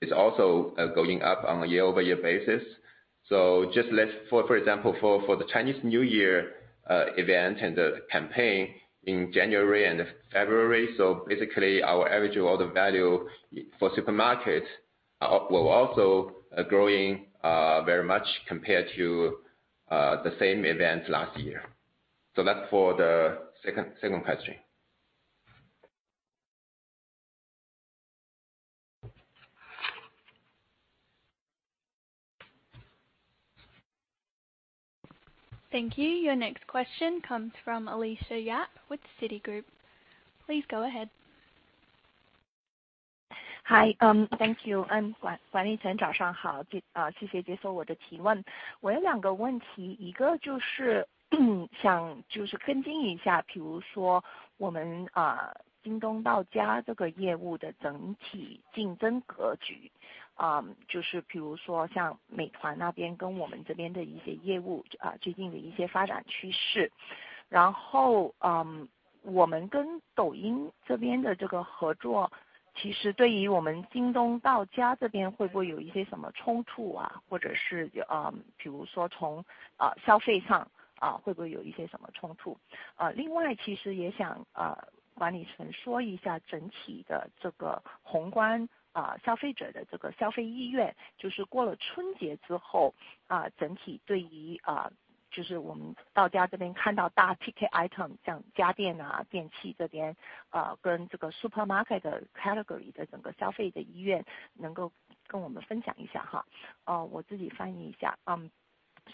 is also going up on a year-over-year basis. Just let's for example, for the Chinese New Year event and the campaign in January and February. Basically our average order value for supermarket were also growing very much compared to the same event last year. That's for the second question. Thank you. Your next question comes from Alicia Yap with Citigroup. Please go ahead. Hi. Thank you. Guan Yichen, good morning. Thank you for taking my questions. I have 2 questions. One is to follow up on the overall competitive landscape of our JDDJ business. For example, the recent development trends of Meituan and our business. Also, will our cooperation with Douyin have any conflicts with our JDDJ business, or, for example, will there be any conflicts in terms of consumption? Also, I would like Guan Yichen to talk about the overall macro consumer spending sentiment after the Spring Festival. Could you share with us the overall consumer spending sentiment for big ticket items like home appliances and electronics, and the supermarket category that we see on JDDJ? I will translate myself. So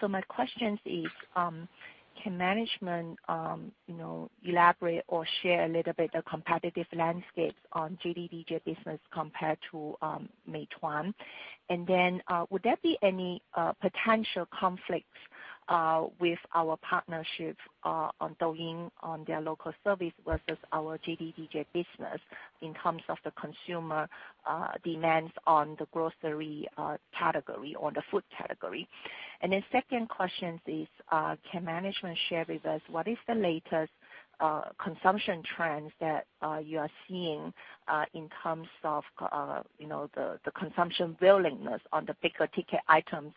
my questions is, can management elaborate or share a little bit the competitive landscapes on JDDJ business compared to Meituan? Would there be any potential conflicts? With our partnership on Douyin on their local service versus our JDDJ business in terms of the consumer demands on the grocery category or the food category. Second question is, can management share with us what is the latest consumption trends that you are seeing in terms of, you know, the consumption willingness on the bigger ticket items,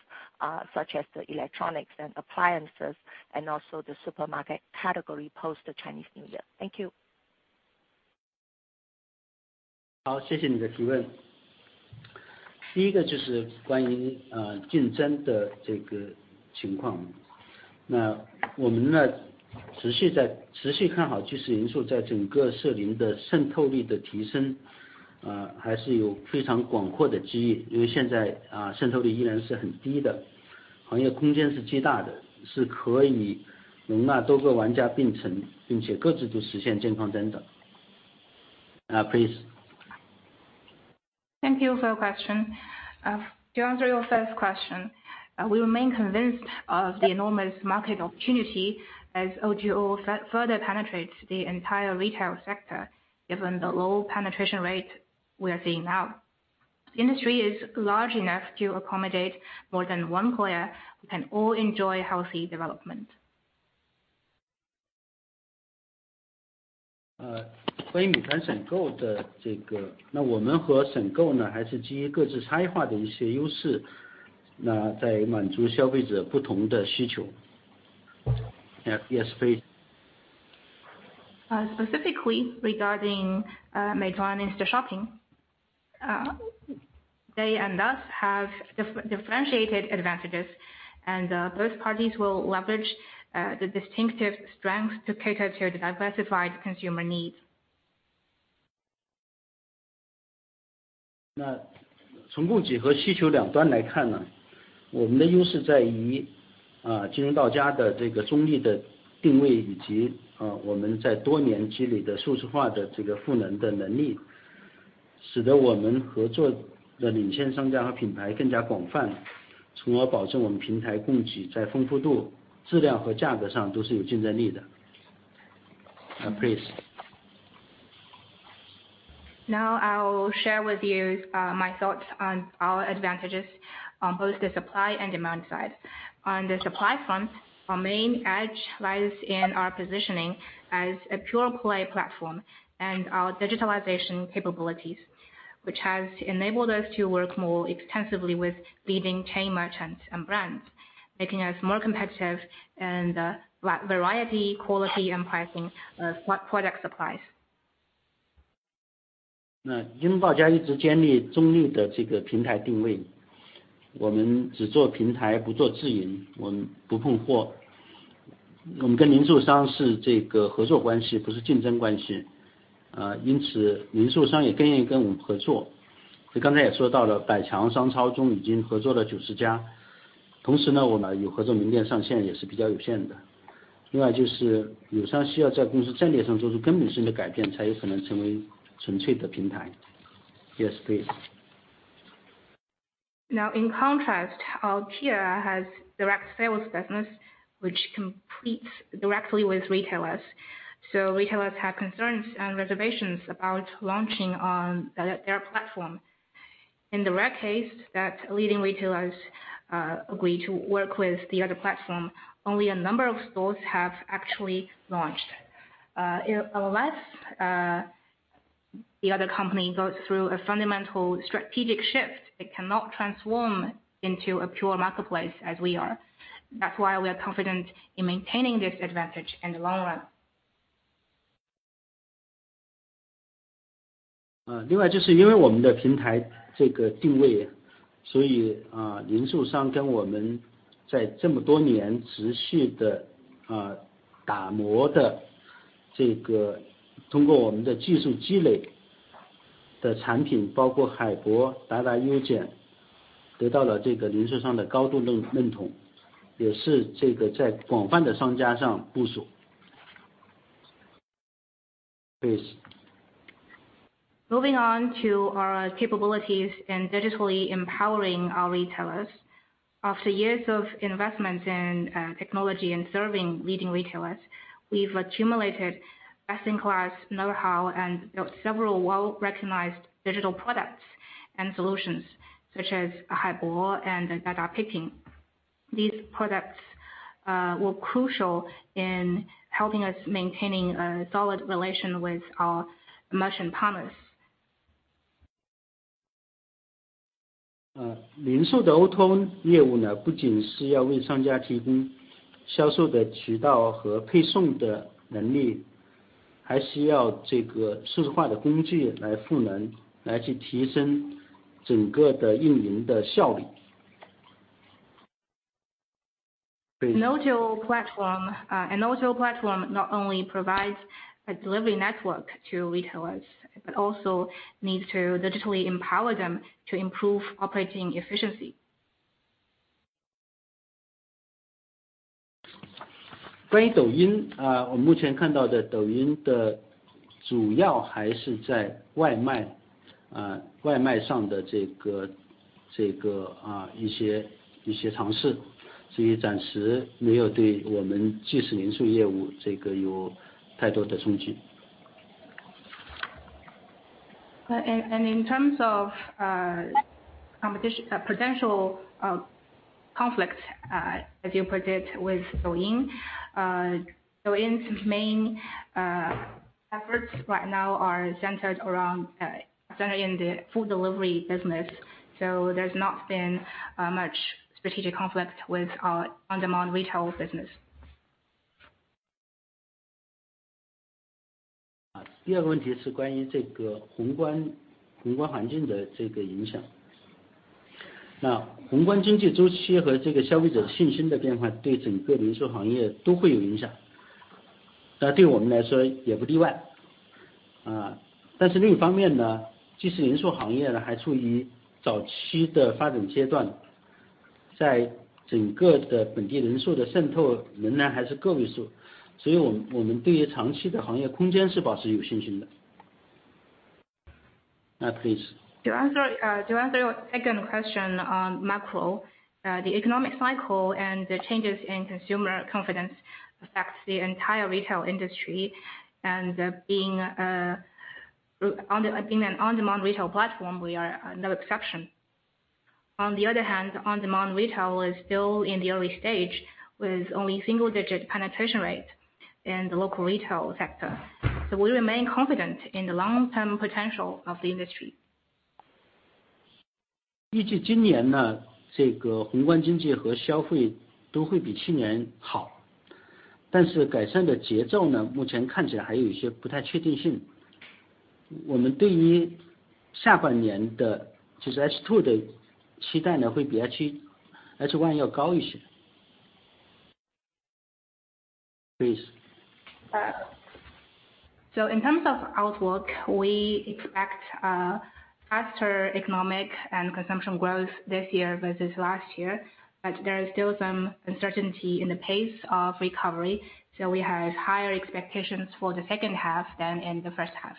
such as the electronics and appliances and also the supermarket category post the Chinese New Year. Thank you. Thank you for your question. To answer your first question, we remain convinced of the enormous market opportunity as O2O further penetrates the entire retail sector, given the low penetration rate we are seeing now. The industry is large enough to accommodate more than one player. We can all enjoy healthy development. Specifically regarding Meituan Instashopping, they and us have differentiated advantages. Both parties will leverage the distinctive strengths to cater to the diversified consumer needs. Now I will share with you my thoughts on our advantages on both the supply and demand side. On the supply front, our main edge lies in our positioning as a pure play platform and our digitalization capabilities, which has enabled us to work more extensively with leading chain merchants and brands, making us more competitive in the variety, quality, and pricing of what product supplies. Now, in contrast, our peer has direct sales business, which competes directly with retailers. Retailers have concerns and reservations about launching on their platform. In the rare case that leading retailers agree to work with the other platform, only a number of stores have actually launched. Unless the other company goes through a fundamental strategic shift, it cannot transform into a pure marketplace as we are. That's why we are confident in maintaining this advantage in the long run. Moving on to our capabilities in digitally empowering our retailers. After years of investments in technology and serving leading retailers, we've accumulated best-in-class know-how and built several well-recognized digital products and solutions such as Haibo and Dada Picking. These products were crucial in helping us maintaining a solid relation with our merchant partners. An O2O platform not only provides a delivery network to retailers, but also needs to digitally empower them to improve operating efficiency. 关于 Douyin， 我目前看到的 Douyin 的主要还是在外 卖， 外卖上的这 个， 一些尝 试， 所以暂时没有对我们即时零售业务这个有太多的冲 击. In terms of competition, potential conflict, as you put it with Douyin's main efforts right now are centered in the food delivery business, so there's not been much strategic conflict with our on-demand retail business. 第2个问题是关于这个宏 观， 宏观环境的这个影响。宏观经济周期和这个消费者信心的变化对整个零售行业都会有影 响， 对我们来说也不例外。但是另一方面 呢， 即时零售行业 呢， 还处于早期的发展阶 段， 在整个的本地零售的渗透仍然还是 个位数， 所以我们对于长期的行业空间是保持有信心的。please。To answer your second question on macro, the economic cycle and the changes in consumer confidence affects the entire retail industry. Being in an on-demand retail platform, we are no exception. On the other hand, on-demand retail is still in the early stage with only single-digit penetration rate in the local retail sector. We remain confident in the long-term potential of the industry. 预计今年 呢， 这个宏观经济和消费都会比去年 好， 但是改善的节奏 呢， 目前看起来还有一些不太确定性。我们对于下半年 的， 就是 H2 的期待 呢， 会比 H1 要高一些。Please. In terms of outlook, we expect faster economic and consumption growth this year versus last year, but there is still some uncertainty in the pace of recovery. We have higher expectations for the second half than in the first half.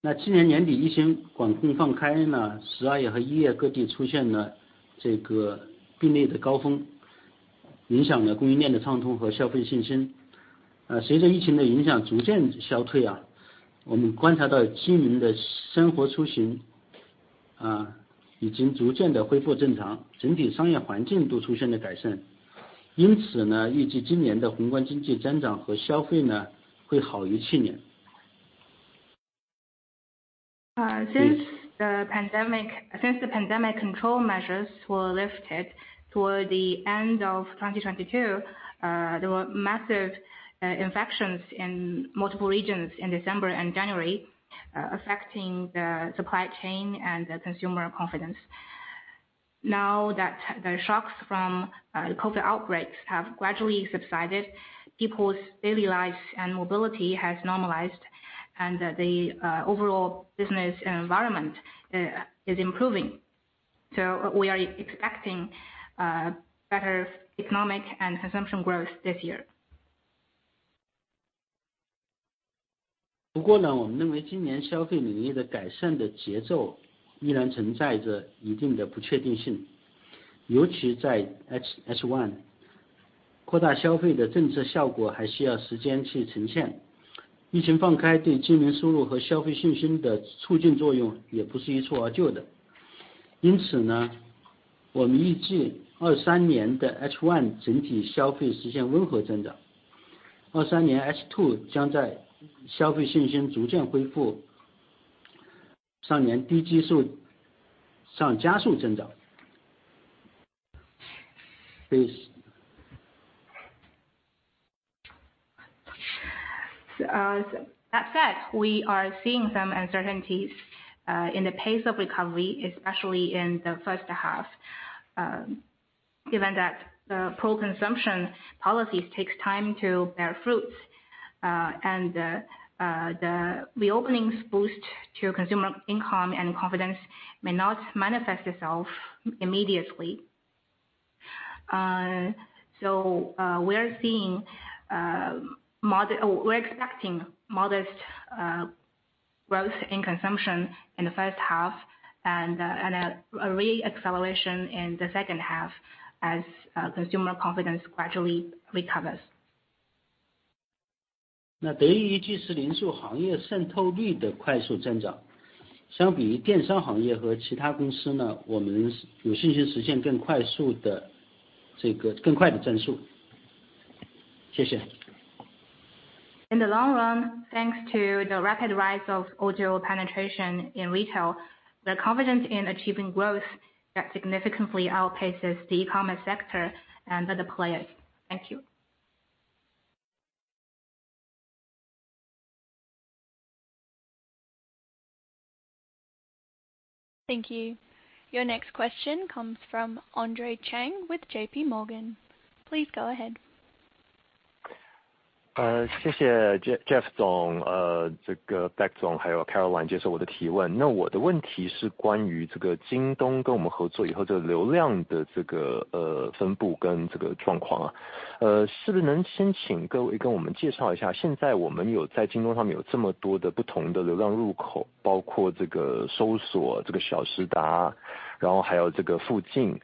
那今年年底疫情管控放开 呢， 十二月和一月各地出现了这个病例的高 峰， 影响了供应链的畅通和消费信心。呃， 随着疫情的影响逐渐消退 啊， 我们观察到居民的生活出 行， 啊， 已经逐渐地恢复正 常， 整体商业环境都出现了改善。因此 呢， 预计今年的宏观经济增长和消费 呢， 会好于去年。Since the pandemic, since the pandemic control measures were lifted toward the end of 2022, there were massive infections in multiple regions in December and January, affecting the supply chain and the consumer confidence. Now that the shocks from the COVID outbreaks have gradually subsided, people's daily lives and mobility has normalized and the overall business environment is improving. We are expecting better economic and consumption growth this year. 我们认为今年消费领域的改善的节奏依然存在着一定的不确定 性， 尤其在 H-H1. 扩大消费的政策效果还需要时间去呈 现. 疫情放开对居民收入和消费信心的促进作用也不是一蹴而就 的. 我们预计2023年的 H1 整体消费实现温和增 长， 2023年 H2 将在消费信心逐渐恢复上年低基数上加速增 长. Please. That said, we are seeing some uncertainties in the pace of recovery, especially in the first half, given that the pro-consumption policies takes time to bear fruits, and the reopenings boost to consumer income and confidence may not manifest itself immediately. We are seeing, we're expecting modest growth in consumption in the first half and a re-acceleration in the second half as consumer confidence gradually recovers. 那得益于即时零售行业渗透率的快速增 长， 相比于电商行业和其他公司 呢， 我们有信心实现更快速的这 个， 更快的增速。谢谢。In the long run, thanks to the rapid rise of O2O penetration in retail, we're confident in achieving growth that significantly outpaces the e-commerce sector and other players. Thank you. Thank you. Your next question comes from Andre Chang with JP Morgan. Please go ahead. 谢谢 Jeff 总这个 Beck 总还有 Caroline 接受我的提问。我的问题是关于这个 JD.com 跟我们合作以后，这个流量的这个分布跟这个状况。是不是能先请各位跟我们介绍一下，现在我们有在 JD.com 上面有这么多的不同的流量入口，包括这个搜索，这个小时达，还有这个附近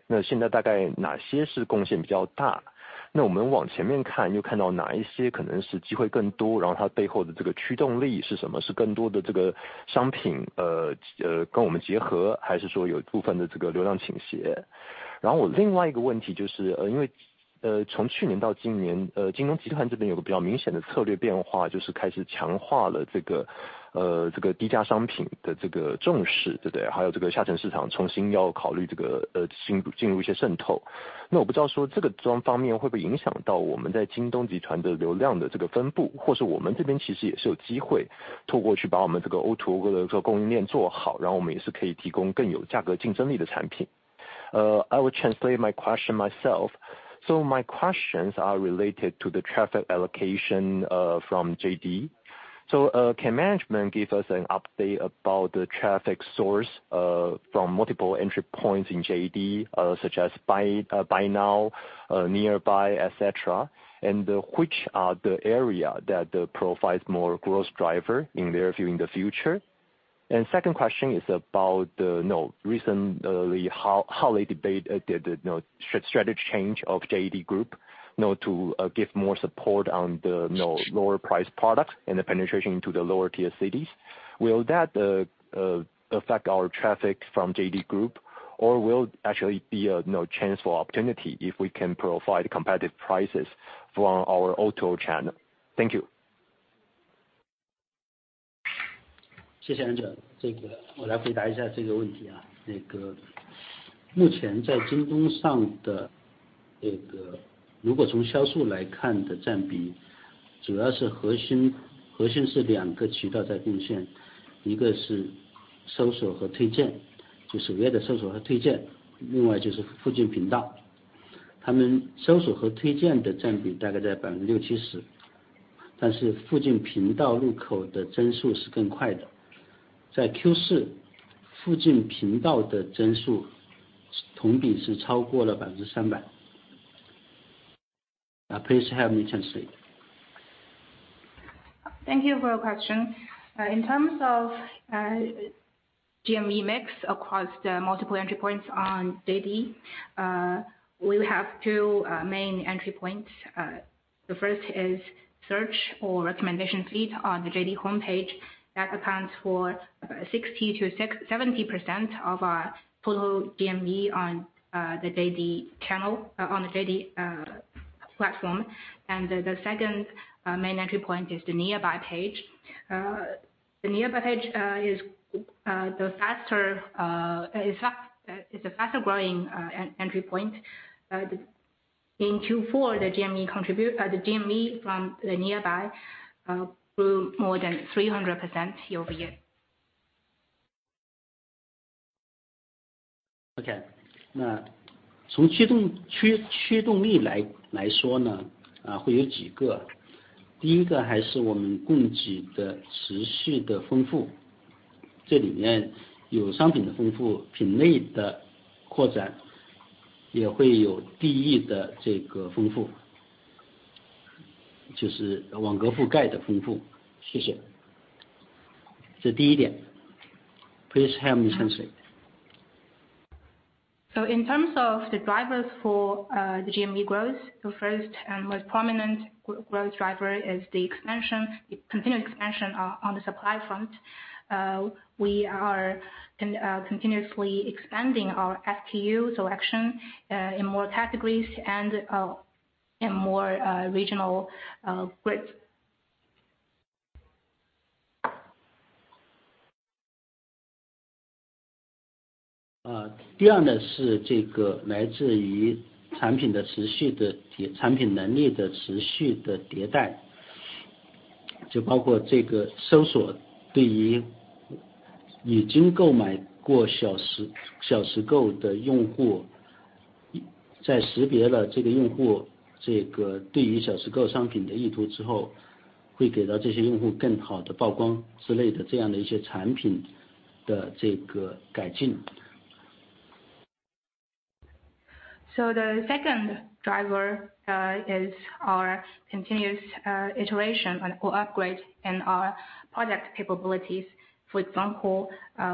(Nearby)，现在大概哪些是贡献比较大？我们往前面看又看到哪一些可能是机会更多，它背后的这个驱动力是什么？是更多的这个商品跟我们结合，还是说有部分的这个流量倾斜。我另外一个问题就是因为从去年到今年，JD.com Group 这边有个比较明显的策略变化，就是开始强化了这个低价商品的这个重视，对不对？还有这个下沉市场，重新要考虑这个进入一些渗透。我不知道说这个方面会不会影响到我们在 JD.com Group 的流量的这个分布，或是我们这边其实也是有机会透过去把我们这个 O2O 的供应链做好，我们也是可以提供更有价格竞争力的产品。I will translate my question myself. My questions are related to the traffic allocation from JD.com. Can management give us an update about the traffic source from multiple entry points in JD.com, such as buy buy now, Nearby, etc. Which are the area that provides more growth driver in their view in the future? Second question is about the know recently how they debate the strategy change of JD.com Group know to give more support on the know lower price products and the penetration into the lower tier cities. Will that affect our traffic from JD.com Group or will actually be a know chance for opportunity if we can provide competitive prices from our O2O channel. Thank you. 谢谢 Andrew， 这个我来回答一下这个问题啊。那个目前在京东上的这个如果从销售来看的占比主要是核 心， 核心是两个渠道在贡 献， 一个是搜索和推 荐， 就是 App 的搜索和推 荐， 另外就是附近频道。他们搜索和推荐的占比大概在百分六七 十， 但是附近频道入口的增速是更快的。在 Q4 附近频道的增速同比是超过了百分之三百。Please help me translate。Thank you for your question. In terms of CME mix across the multiple entry points on JD, we have two main entry points. The first is search for recommendation feed on the JD homepage. That accounts for 60%-70% of our total CME on the JD channel on the JD platform. The second main entry point is the Nearby page. The Nearby page is a faster growing entry point in Q4 the CME from the Nearby grew more than 300% year-over-year. OK， 那从驱动驱-驱动力来来说 呢， 会有几个。第一个还是我们供给的持续的丰 富， 这里面有商品的丰 富， 品类的扩 展， 也会有地域的这个丰 富， 就是网格覆盖的丰富。谢谢。这是第一点。Please help me translate。In terms of the drivers for the CME growth, the first and most prominent growth driver is the expansion, continued expansion on the supply front. We are continuously expanding our SKU selection in more categories and in more regional groups. 呃第二呢是这个来自于产品的持续的产品能力的持续的迭 代， 就包括这个搜索对于已经购买过小时小时购的用 户， 在识别了这个用户这个对于小时购商品的意图之 后， 会给到这些用户更好的曝光之类的这样的一些产品的这个改进。The second driver is our continuous iteration or upgrade and our product capabilities. For example,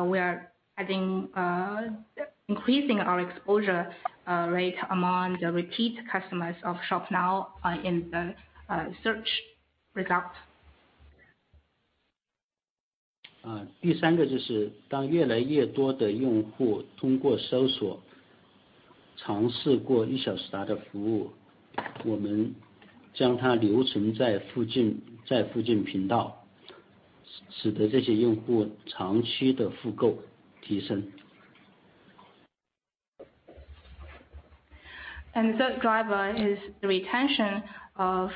we are adding increasing our exposure rate among the repeat customers of Shop Now in the search results. 呃第三个就是当越来越多的用户通过搜索尝试过一小时达的服 务， 我们将它留存再附 近， 在附近频 道， 使得这些用户长期的复购提升。The third driver is the retention of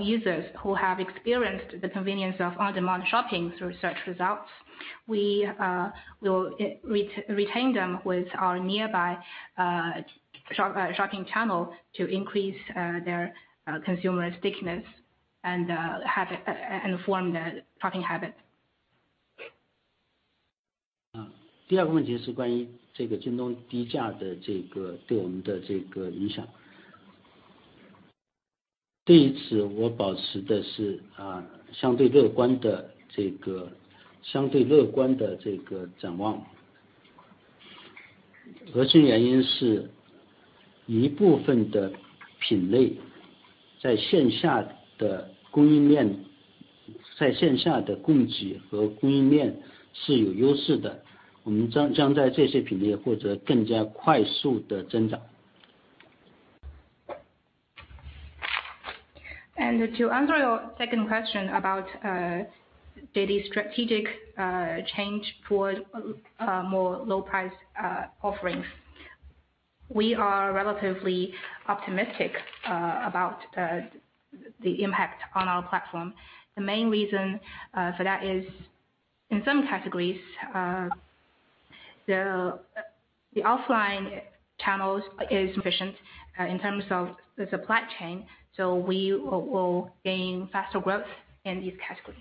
users who have experienced the convenience of on-demand shopping through search results. We will retain them with our Nearby shopping channel to increase their consumer stickiness and form their shopping habit. Uh, To answer your second question about daily strategic change towards more low price offerings. We are relatively optimistic about the impact on our platform. The main reason for that is in some categories, the offline channels is sufficient in terms of the supply chain. We will gain faster growth in these categories.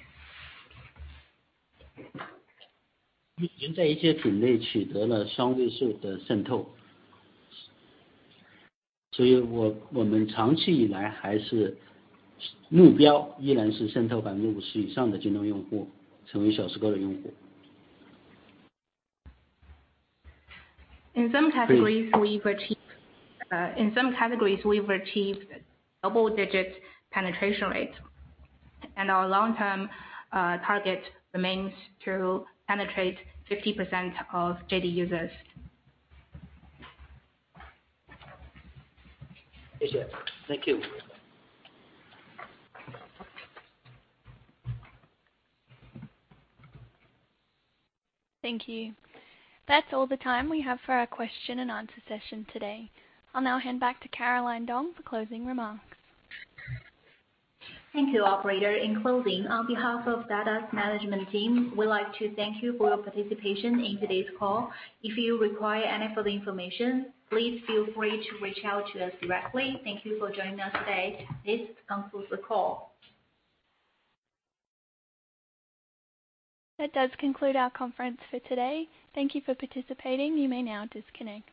In some categories, we've achieved double-digit penetration rates. Our long-term target remains to penetrate 50% of JD users. Thank you. Thank you. That's all the time we have for our question and answer session today. I'll now hand back to Caroline Dong for closing remarks. Thank you, operator. In closing, on behalf of Dada's management team, we'd like to thank you for your participation in today's call. If you require any further information, please feel free to reach out to us directly. Thank you for joining us today. This concludes the call. That does conclude our conference for today. Thank you for participating. You may now disconnect.